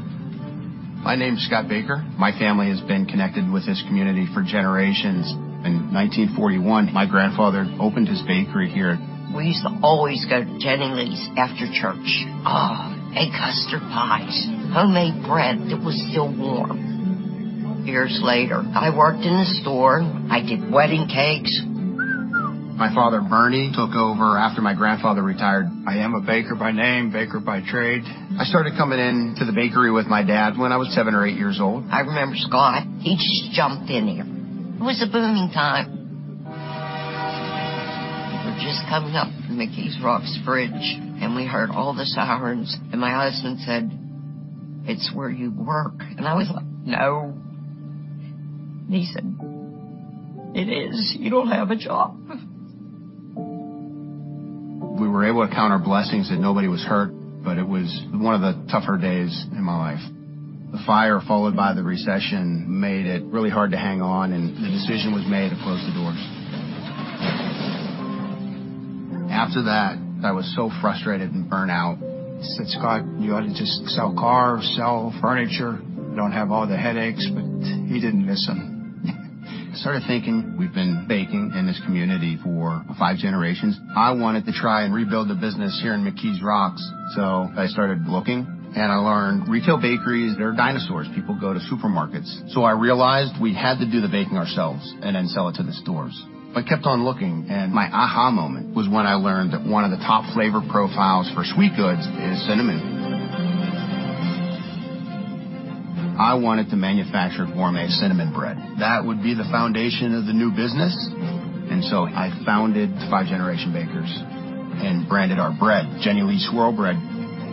My name's Scott Baker. My family has been connected with this community for generations. In 1941, my grandfather opened his bakery here. We used to always go to Jenny Lee's after church, oh, and custard pies, homemade bread that was still warm. Years later, I worked in the store. I did wedding cakes. My father, Bernie, took over after my grandfather retired. I am a baker by name, baker by trade. I started coming into the bakery with my dad when I was seven or eight years old. I remember Scott. He just jumped in there. It was a booming time. We were just coming up from the McKees Rocks Bridge, and we heard all the sirens. And my husband said, "It's where you work." And I was like, "No." And he said, "It is. You don't have a job. We were able to count our blessings that nobody was hurt, but it was one of the tougher days in my life. The fire followed by the recession made it really hard to hang on, and the decision was made to close the doors. After that, I was so frustrated and burnt out. I said, "Scott, you ought to just sell cars, sell furniture. You don't have all the headaches." But he didn't listen. I started thinking, we've been baking in this community for five generations. I wanted to try and rebuild the business here in McKees Rocks. So I started looking, and I learned retail bakeries, they're dinosaurs. People go to supermarkets. So I realized we had to do the baking ourselves and then sell it to the stores. I kept on looking, and my aha moment was when I learned that one of the top flavor profiles for sweet goods is cinnamon. I wanted to manufacture gourmet cinnamon bread. That would be the foundation of the new business. And so I founded the 5 Generation Bakers and branded our bread, Jenny Lee Swirl Bread.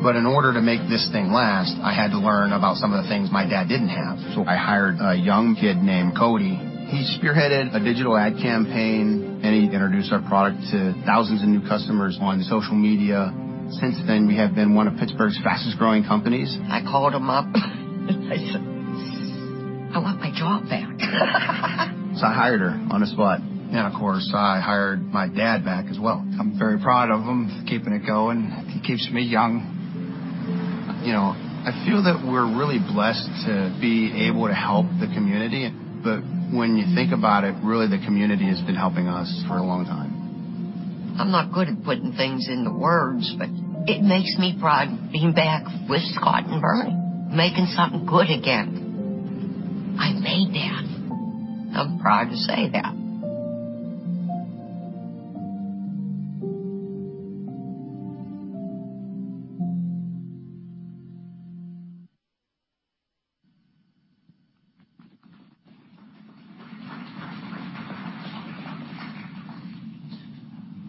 But in order to make this thing last, I had to learn about some of the things my dad didn't have. So I hired a young kid named Cody. He spearheaded a digital ad campaign, and he introduced our product to thousands of new customers on social media. Since then, we have been one of Pittsburgh's fastest-growing companies. I called him up, and I said, "I want my job back. So I hired her on the spot. And of course, I hired my dad back as well. I'm very proud of him for keeping it going. He keeps me young. You know, I feel that we're really blessed to be able to help the community. But when you think about it, really, the community has been helping us for a long time. I'm not good at putting things into words, but it makes me proud to be back with Scott and Bernie, making something good again. I made that. I'm proud to say that.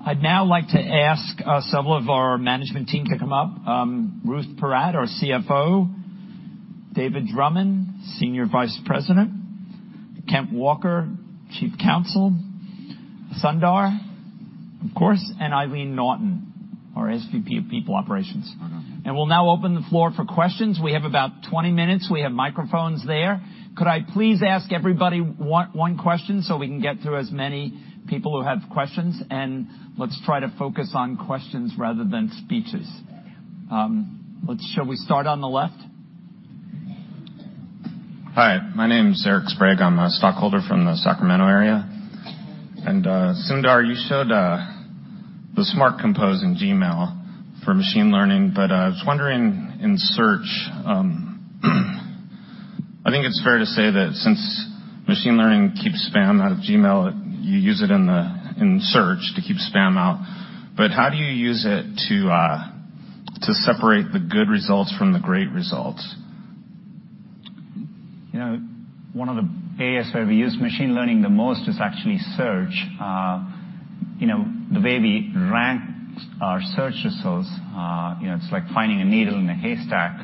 I'd now like to ask several of our management team to come up: Ruth Porat, our CFO, David Drummond, Senior Vice President, Kent Walker, Chief Counsel, Sundar, of course, and Eileen Naughton, our SVP of People Operations. We'll now open the floor for questions. We have about 20 minutes. We have microphones there. Could I please ask everybody one question so we can get through as many people who have questions? Let's try to focus on questions rather than speeches. Shall we start on the left? Hi. My name's Eric Sprague. I'm a stockholder from the Sacramento area. And Sundar, you showed the Smart Compose in Gmail for machine learning, but I was wondering in search, I think it's fair to say that since machine learning keeps spam out of Gmail, you use it in search to keep spam out. But how do you use it to separate the good results from the great results? You know, one of the areas where we use machine learning the most is actually search. The way we rank our search results, it's like finding a needle in a haystack.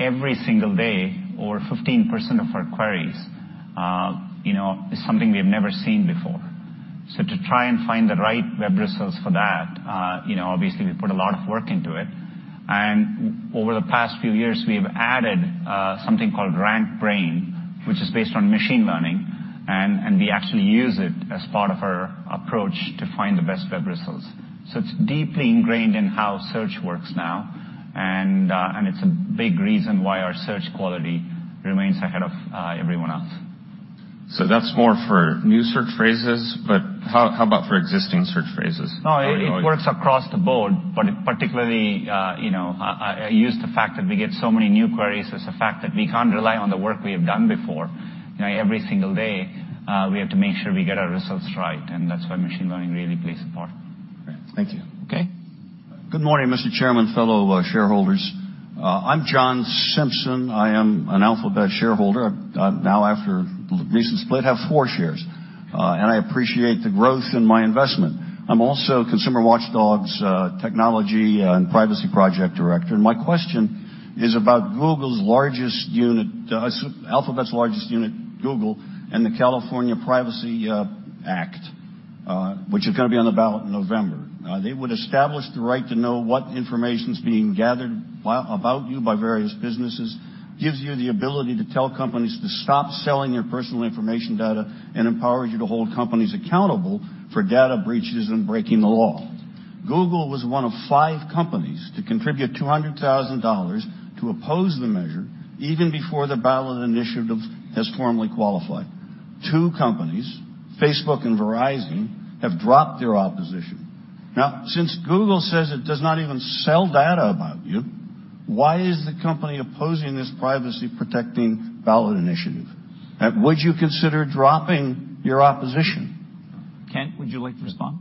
Every single day, over 15% of our queries is something we have never seen before. So to try and find the right web results for that, obviously, we put a lot of work into it. And over the past few years, we have added something called RankBrain, which is based on machine learning. And we actually use it as part of our approach to find the best web results. So it's deeply ingrained in how search works now. And it's a big reason why our search quality remains ahead of everyone else. So that's more for new search phrases, but how about for existing search phrases? No, it works across the board. But particularly, I use the fact that we get so many new queries as a fact that we can't rely on the work we have done before. Every single day, we have to make sure we get our results right. And that's why machine learning really plays a part. Thank you. Okay. Good morning, Mr. Chairman, fellow shareholders. I'm John Simpson. I am an Alphabet shareholder. Now, after the recent split, I have four shares, and I appreciate the growth in my investment. I'm also Consumer Watchdog's Technology and Privacy Project Director, and my question is about Google's largest unit, Alphabet's largest unit, Google, and the California Privacy Act, which is going to be on the ballot in November. They would establish the right to know what information is being gathered about you by various businesses, gives you the ability to tell companies to stop selling your personal information data, and empowers you to hold companies accountable for data breaches and breaking the law. Google was one of five companies to contribute $200,000 to oppose the measure even before the ballot initiative has formally qualified. Two companies, Facebook and Verizon, have dropped their opposition. Now, since Google says it does not even sell data about you, why is the company opposing this privacy-protecting ballot initiative? Would you consider dropping your opposition? Kent, would you like to respond?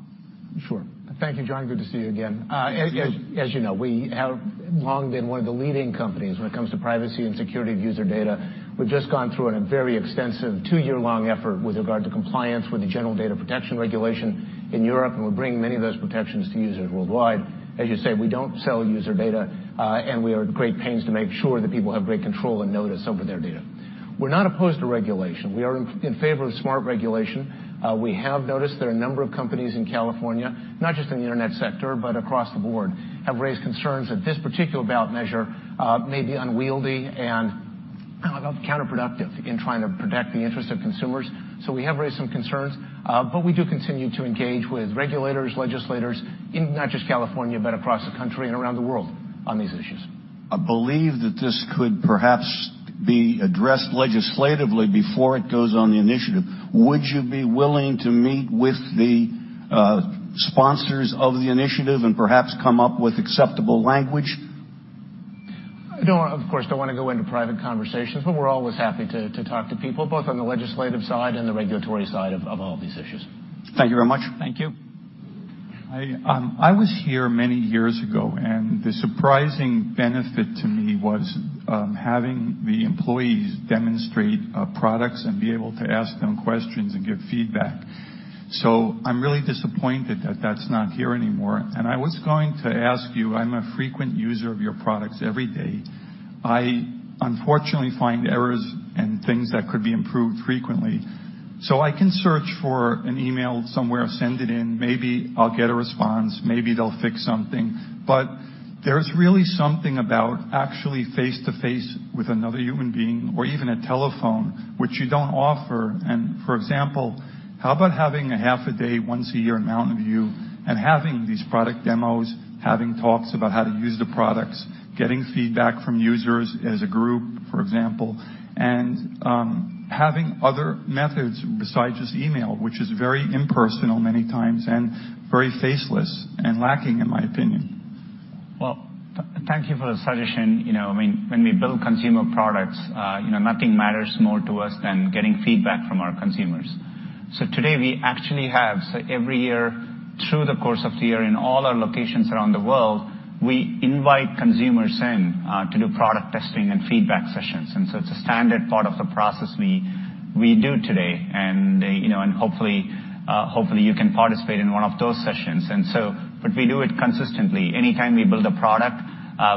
Sure. Thank you, John. Good to see you again. As you know, we have long been one of the leading companies when it comes to privacy and security of user data. We've just gone through a very extensive two-year-long effort with regard to compliance with the General Data Protection Regulation in Europe. And we're bringing many of those protections to users worldwide. As you say, we don't sell user data, and we are at great pains to make sure that people have great control and notice over their data. We're not opposed to regulation. We are in favor of smart regulation. We have noticed there are a number of companies in California, not just in the internet sector, but across the board, have raised concerns that this particular ballot measure may be unwieldy and counterproductive in trying to protect the interests of consumers. So we have raised some concerns. But we do continue to engage with regulators, legislators, not just California, but across the country and around the world on these issues. I believe that this could perhaps be addressed legislatively before it goes on the initiative. Would you be willing to meet with the sponsors of the initiative and perhaps come up with acceptable language? No, of course, don't want to go into private conversations, but we're always happy to talk to people, both on the legislative side and the regulatory side of all these issues. Thank you very much. Thank you. I was here many years ago, and the surprising benefit to me was having the employees demonstrate products and be able to ask them questions and give feedback. So I'm really disappointed that that's not here anymore. And I was going to ask you, I'm a frequent user of your products every day. I unfortunately find errors and things that could be improved frequently. So I can search for an email somewhere, send it in, maybe I'll get a response, maybe they'll fix something. But there's really something about actually face-to-face with another human being or even a telephone, which you don't offer. For example, how about having a half a day, once a year in Mountain View and having these product demos, having talks about how to use the products, getting feedback from users as a group, for example, and having other methods besides just email, which is very impersonal many times and very faceless and lacking, in my opinion. Thank you for the suggestion. I mean, when we build consumer products, nothing matters more to us than getting feedback from our consumers. So today, we actually have, so every year, through the course of the year, in all our locations around the world, we invite consumers in to do product testing and feedback sessions. And so it's a standard part of the process we do today. And hopefully, you can participate in one of those sessions. But we do it consistently. Anytime we build a product,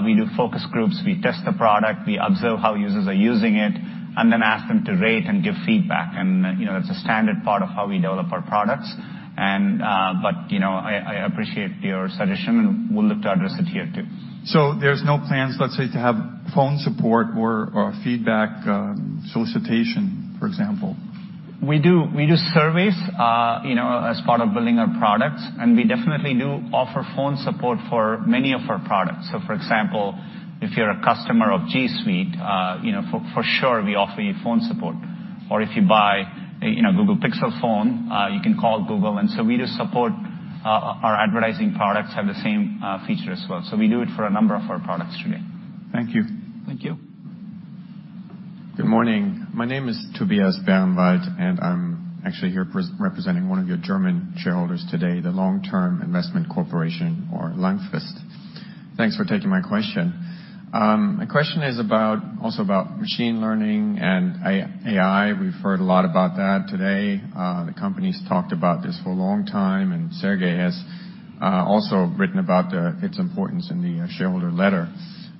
we do focus groups, we test the product, we observe how users are using it, and then ask them to rate and give feedback. And that's a standard part of how we develop our products. But I appreciate your suggestion, and we'll look to address it here too. There's no plans, let's say, to have phone support or feedback solicitation, for example? We do surveys as part of building our products. And we definitely do offer phone support for many of our products. So for example, if you're a customer of G Suite, for sure, we offer you phone support. Or if you buy a Google Pixel phone, you can call Google. And so we do support our advertising products have the same feature as well. So we do it for a number of our products today. Thank you. Thank you. Good morning. My name is Tobias Gummer, and I'm actually here representing one of your German shareholders today, the Long-Term Investment Corporation, or Langfrist. Thanks for taking my question. My question is also about machine learning and AI. We've heard a lot about that today. The company's talked about this for a long time. And Sergey has also written about its importance in the shareholder letter.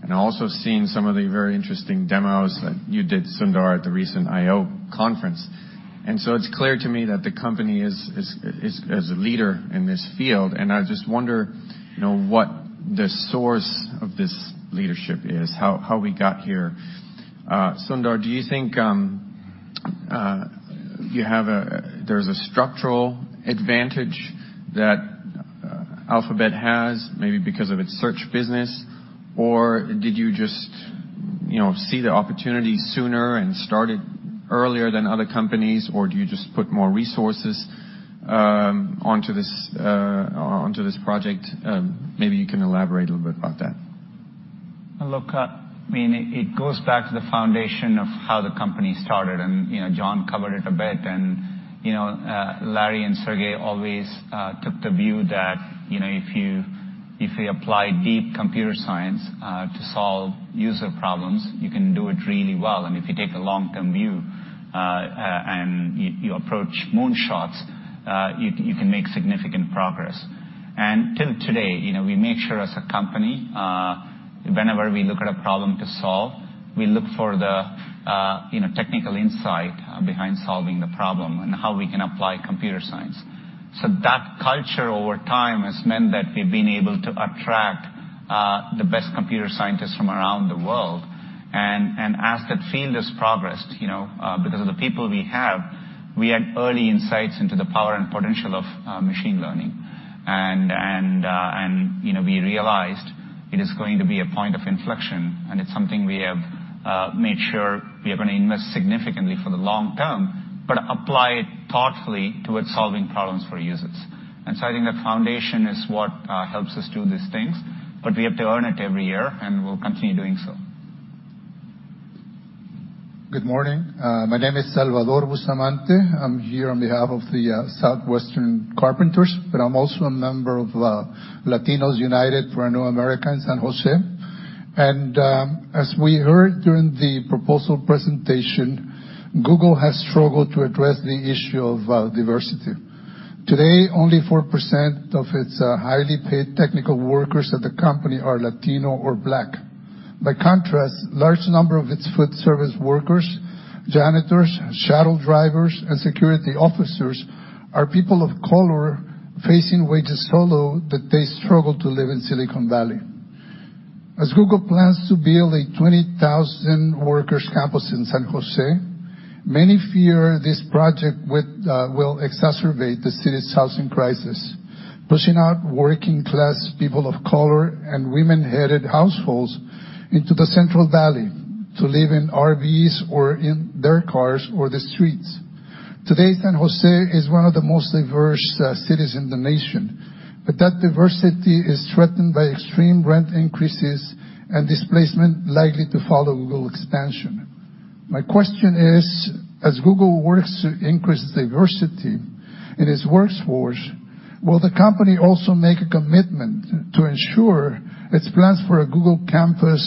And I've also seen some of the very interesting demos that you did, Sundar, at the recent I/O conference. And so it's clear to me that the company is a leader in this field. And I just wonder what the source of this leadership is, how we got here. Sundar, do you think there's a structural advantage that Alphabet has, maybe because of its search business? Or did you just see the opportunity sooner and start it earlier than other companies? Or do you just put more resources onto this project? Maybe you can elaborate a little bit about that. Look, I mean, it goes back to the foundation of how the company started. And John covered it a bit. And Larry and Sergey always took the view that if you apply deep computer science to solve user problems, you can do it really well. And if you take a long-term view and you approach moonshots, you can make significant progress. And till today, we make sure as a company, whenever we look at a problem to solve, we look for the technical insight behind solving the problem and how we can apply computer science. So that culture over time has meant that we've been able to attract the best computer scientists from around the world. And as that field has progressed, because of the people we have, we had early insights into the power and potential of machine learning. We realized it is going to be a point of inflection. It's something we have made sure we are going to invest significantly for the long term, but apply it thoughtfully towards solving problems for users. I think that foundation is what helps us do these things. We have to earn it every year, and we'll continue doing so. Good morning. My name is Salvador Bustamante. I'm here on behalf of the Southwestern Carpenters, but I'm also a member of Latinos United for a New America and LUNA. And as we heard during the proposal presentation, Google has struggled to address the issue of diversity. Today, only 4% of its highly paid technical workers at the company are Latino or Black. By contrast, a large number of its food service workers, janitors, shuttle drivers, and security officers are people of color facing wages so low that they struggle to live in Silicon Valley. As Google plans to build a 20,000-workers campus in San Jose, many fear this project will exacerbate the city's housing crisis, pushing out working-class people of color and women-headed households into the Central Valley to live in RVs or in their cars or the streets. Today, San Jose is one of the most diverse cities in the nation. But that diversity is threatened by extreme rent increases and displacement likely to follow Google expansion. My question is, as Google works to increase diversity in its workforce, will the company also make a commitment to ensure its plans for a Google campus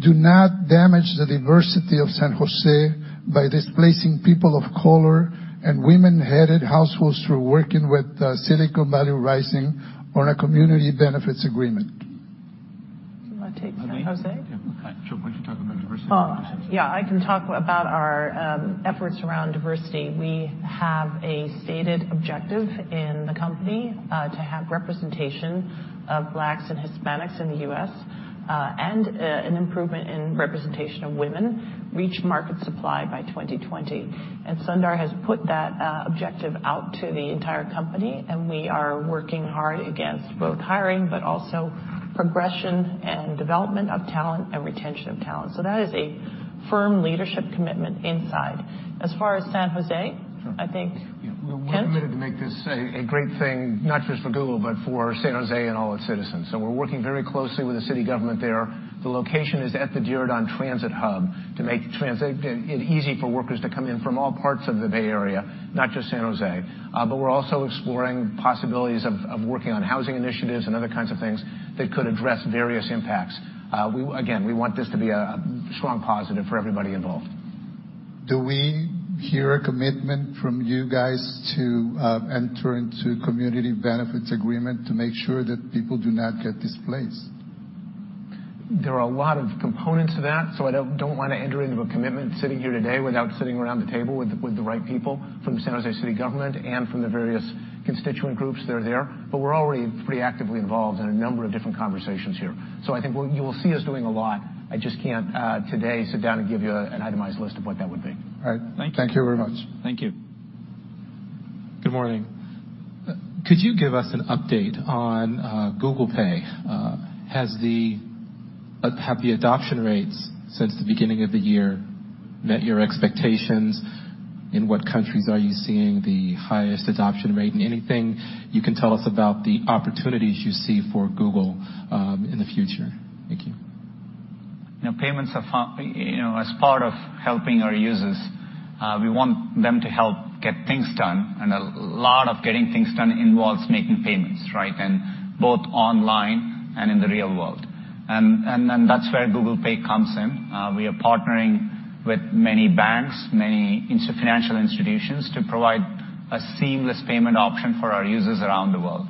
do not damage the diversity of San Jose by displacing people of color and women-headed households through working with Silicon Valley Rising on a community benefits agreement? Can I take that? Sure. Why don't you talk about diversity? Yeah, I can talk about our efforts around diversity. We have a stated objective in the company to have representation of Blacks and Hispanics in the U.S. and an improvement in representation of women reach market supply by 2020. And Sundar has put that objective out to the entire company. And we are working hard against both hiring, but also progression and development of talent and retention of talent. So that is a firm leadership commitment inside. As far as San Jose, I think. We're committed to make this a great thing, not just for Google, but for San Jose and all its citizens. So we're working very closely with the city government there. The location is at the Diridon Transit Hub to make it easy for workers to come in from all parts of the Bay Area, not just San Jose. But we're also exploring possibilities of working on housing initiatives and other kinds of things that could address various impacts. Again, we want this to be a strong positive for everybody involved. Do we hear a commitment from you guys to enter into a community benefits agreement to make sure that people do not get displaced? There are a lot of components to that. So I don't want to enter into a commitment sitting here today without sitting around the table with the right people from the San Jose City government and from the various constituent groups that are there. But we're already pretty actively involved in a number of different conversations here. So I think you will see us doing a lot. I just can't today sit down and give you an itemized list of what that would be. All right. Thank you. Thank you very much. Thank you. Good morning. Could you give us an update on Google Pay? Have the adoption rates since the beginning of the year met your expectations? In what countries are you seeing the highest adoption rate? And anything you can tell us about the opportunities you see for Google in the future? Thank you. Payments are part of helping our users. We want them to help get things done, and a lot of getting things done involves making payments, right, both online and in the real world, and then that's where Google Pay comes in. We are partnering with many banks, many financial institutions to provide a seamless payment option for our users around the world.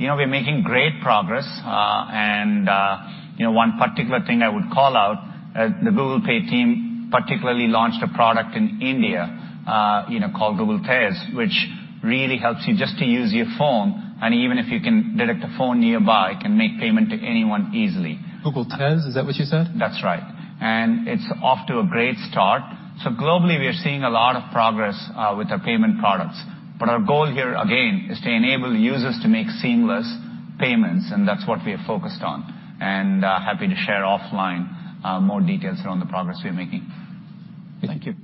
We're making great progress, and one particular thing I would call out, the Google Pay team particularly launched a product in India called Google Tez, which really helps you just to use your phone, and even if you can direct a phone nearby, it can make payment to anyone easily. Google Tez, is that what you said? That's right. And it's off to a great start. So globally, we are seeing a lot of progress with our payment products. But our goal here, again, is to enable users to make seamless payments. And that's what we are focused on. And happy to share offline more details around the progress we are making. Thank you.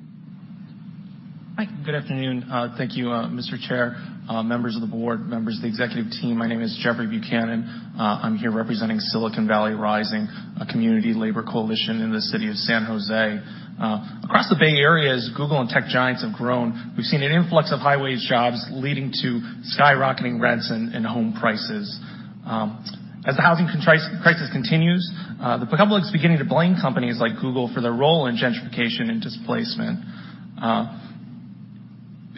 Hi. Good afternoon. Thank you, Mr. Chair, members of the Board, Members of the Executive Team. My name is Jeffrey Buchanan. I'm here representing Silicon Valley Rising, a community labor coalition in the city of San Jose. Across the Bay Area, as Google and tech giants have grown, we've seen an influx of high-wage jobs leading to skyrocketing rents and home prices. As the housing crisis continues, the public is beginning to blame companies like Google for their role in gentrification and displacement.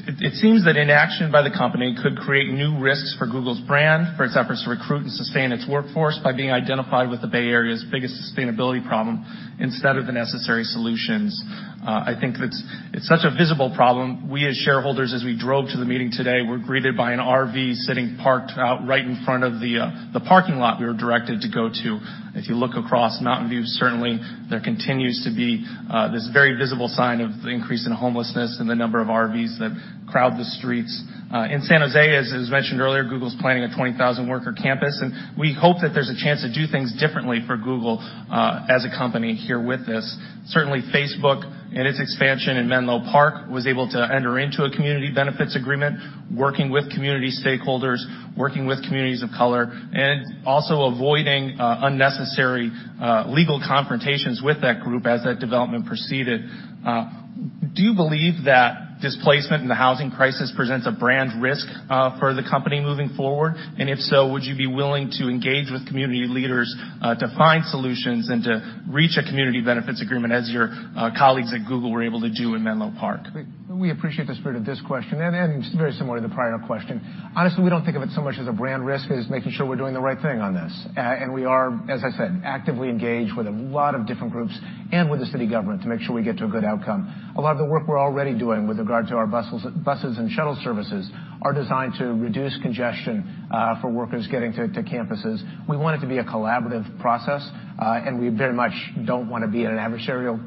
It seems that inaction by the company could create new risks for Google's brand, for its efforts to recruit and sustain its workforce by being identified with the Bay Area's biggest sustainability problem instead of the necessary solutions. I think it's such a visible problem. We, as shareholders, as we drove to the meeting today, were greeted by an RV sitting parked out right in front of the parking lot we were directed to go to. If you look across Mountain View, certainly, there continues to be this very visible sign of the increase in homelessness and the number of RVs that crowd the streets. In San Jose, as was mentioned earlier, Google is planning a 20,000-worker campus. And we hope that there's a chance to do things differently for Google as a company here with this. Certainly, Facebook and its expansion in Menlo Park was able to enter into a community benefits agreement, working with community stakeholders, working with communities of color, and also avoiding unnecessary legal confrontations with that group as that development proceeded. Do you believe that displacement and the housing crisis presents a brand risk for the company moving forward? And if so, would you be willing to engage with community leaders to find solutions and to reach a community benefits agreement, as your colleagues at Google were able to do in Menlo Park? We appreciate the spirit of this question. And it's very similar to the prior question. Honestly, we don't think of it so much as a brand risk as making sure we're doing the right thing on this. And we are, as I said, actively engaged with a lot of different groups and with the city government to make sure we get to a good outcome. A lot of the work we're already doing with regard to our buses and shuttle services is designed to reduce congestion for workers getting to campuses. We want it to be a collaborative process. And we very much don't want to be in an adversarial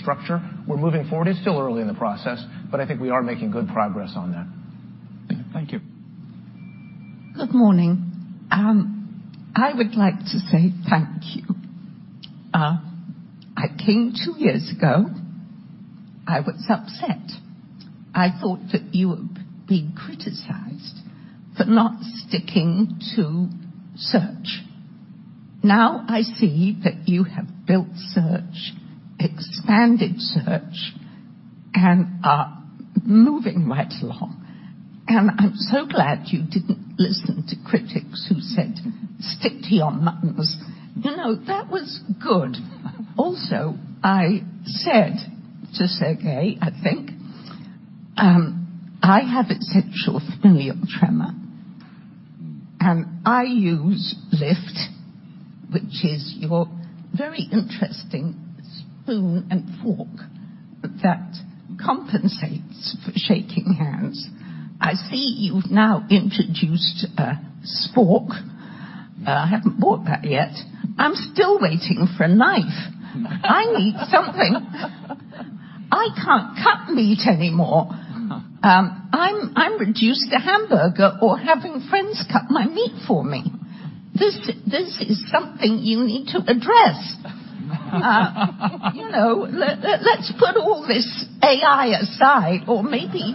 structure. We're moving forward. It's still early in the process, but I think we are making good progress on that. Thank you. Good morning. I would like to say thank you. I came two years ago. I was upset. I thought that you were being criticized for not sticking to search. Now I see that you have built search, expanded search, and are moving right along, and I'm so glad you didn't listen to critics who said, "Stick to your knitting." That was good. Also, I said to Sergey, I think, "I have an essential familial tremor, and I use Liftware, which is your very interesting spoon and fork that compensates for shaking hands. I see you've now introduced a spork. I haven't bought that yet. I'm still waiting for a knife. I need something. I can't cut meat anymore. I'm reduced to hamburger or having friends cut my meat for me. This is something you need to address. Let's put all this AI aside. Or maybe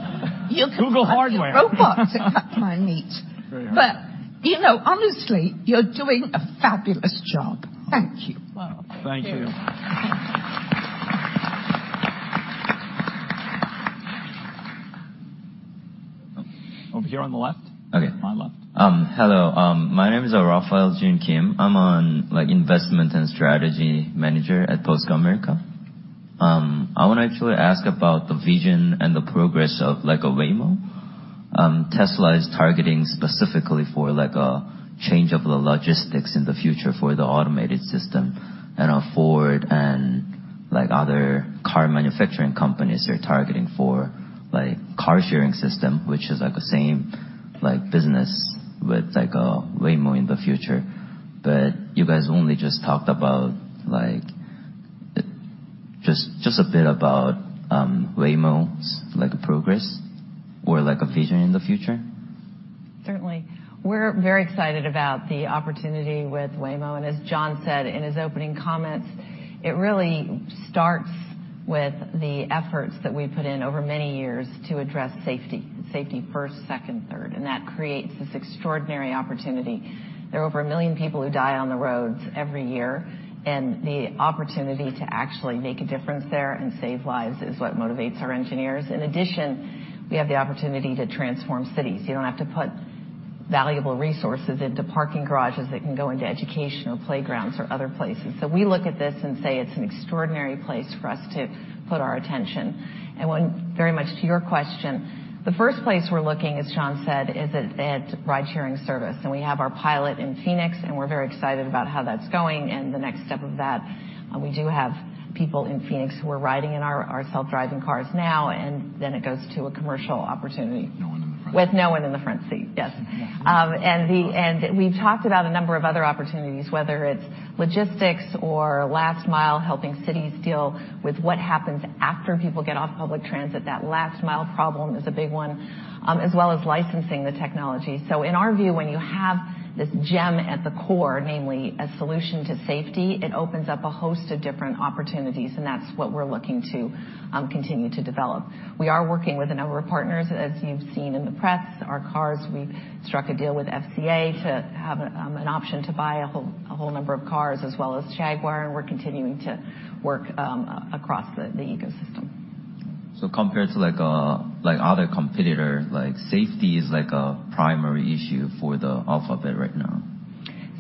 you can use robots to cut my meat. But honestly, you're doing a fabulous job. Thank you. Thank you. Over here on the left. My left. Hello. My name is Raphael Jeon-Kim. I'm an Investment and Strategy Manager at Boston Common Asset Management. I want to actually ask about the vision and the progress of Waymo. Tesla is targeting specifically for a change of the logistics in the future for the automated system. And Ford and other car manufacturing companies are targeting for a car-sharing system, which is the same business with Waymo in the future. But you guys only just talked about just a bit about Waymo's progress or a vision in the future. Certainly. We're very excited about the opportunity with Waymo, and as John said in his opening comments, it really starts with the efforts that we put in over many years to address safety, safety first, second, third, and that creates this extraordinary opportunity. There are over a million people who die on the roads every year, and the opportunity to actually make a difference there and save lives is what motivates our engineers. In addition, we have the opportunity to transform cities. You don't have to put valuable resources into parking garages that can go into educational playgrounds or other places, so we look at this and say it's an extraordinary place for us to put our attention. Very much to your question, the first place we're looking, as John said, is at ride-sharing service, and we have our pilot in Phoenix. And we're very excited about how that's going. And the next step of that, we do have people in Phoenix who are riding in our self-driving cars now. And then it goes to a commercial opportunity. With no one in the front seat. Yes. And we've talked about a number of other opportunities, whether it's logistics or last-mile helping cities deal with what happens after people get off public transit. That last-mile problem is a big one, as well as licensing the technology. So in our view, when you have this gem at the core, namely a solution to safety, it opens up a host of different opportunities. And that's what we're looking to continue to develop. We are working with a number of partners, as you've seen in the press. Our cars, we've struck a deal with FCA to have an option to buy a whole number of cars, as well as Jaguar. And we're continuing to work across the ecosystem. Compared to other competitors, safety is a primary issue for Alphabet right now.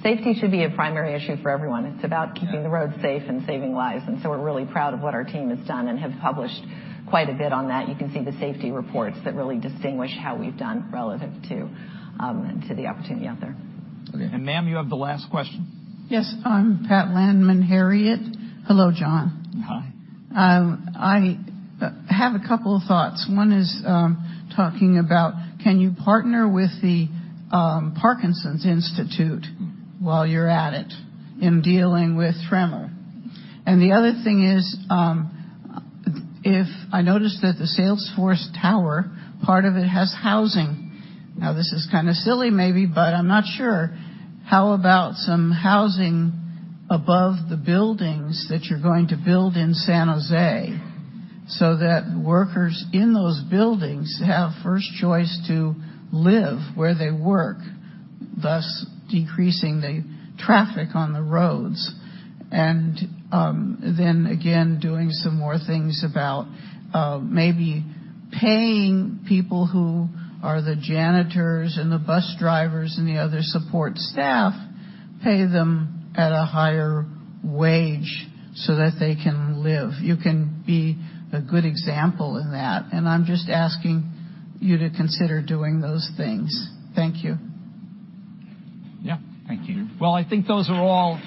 Safety should be a primary issue for everyone. It's about keeping the roads safe and saving lives. And so we're really proud of what our team has done and have published quite a bit on that. You can see the safety reports that really distinguish how we've done relative to the opportunity out there. Okay. And, ma'am, you have the last question. Yes. I'm Pat Landman-Harriott. Hello, John. Hi. I have a couple of thoughts. One is talking about, can you partner with the Parkinson's Institute while you're at it in dealing with tremor? And the other thing is, I noticed that the Salesforce Tower, part of it has housing. Now, this is kind of silly maybe, but I'm not sure. How about some housing above the buildings that you're going to build in San Jose so that workers in those buildings have first choice to live where they work, thus decreasing the traffic on the roads? And then again, doing some more things about maybe paying people who are the janitors and the bus drivers and the other support staff, pay them at a higher wage so that they can live. You can be a good example in that. And I'm just asking you to consider doing those things. Thank you. Yeah. Thank you. Well, I think those are all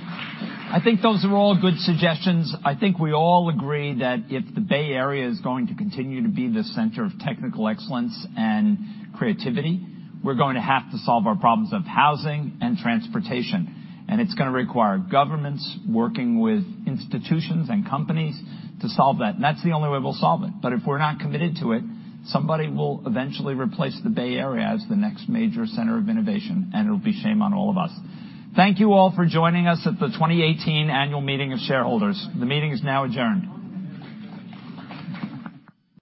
good suggestions. I think we all agree that if the Bay Area is going to continue to be the center of technical excellence and creativity, we're going to have to solve our problems of housing and transportation. And it's going to require governments working with institutions and companies to solve that. And that's the only way we'll solve it. But if we're not committed to it, somebody will eventually replace the Bay Area as the next major center of innovation. And it'll be shame on all of us. Thank you all for joining us at the 2018 annual meeting of shareholders. The meeting is now adjourned.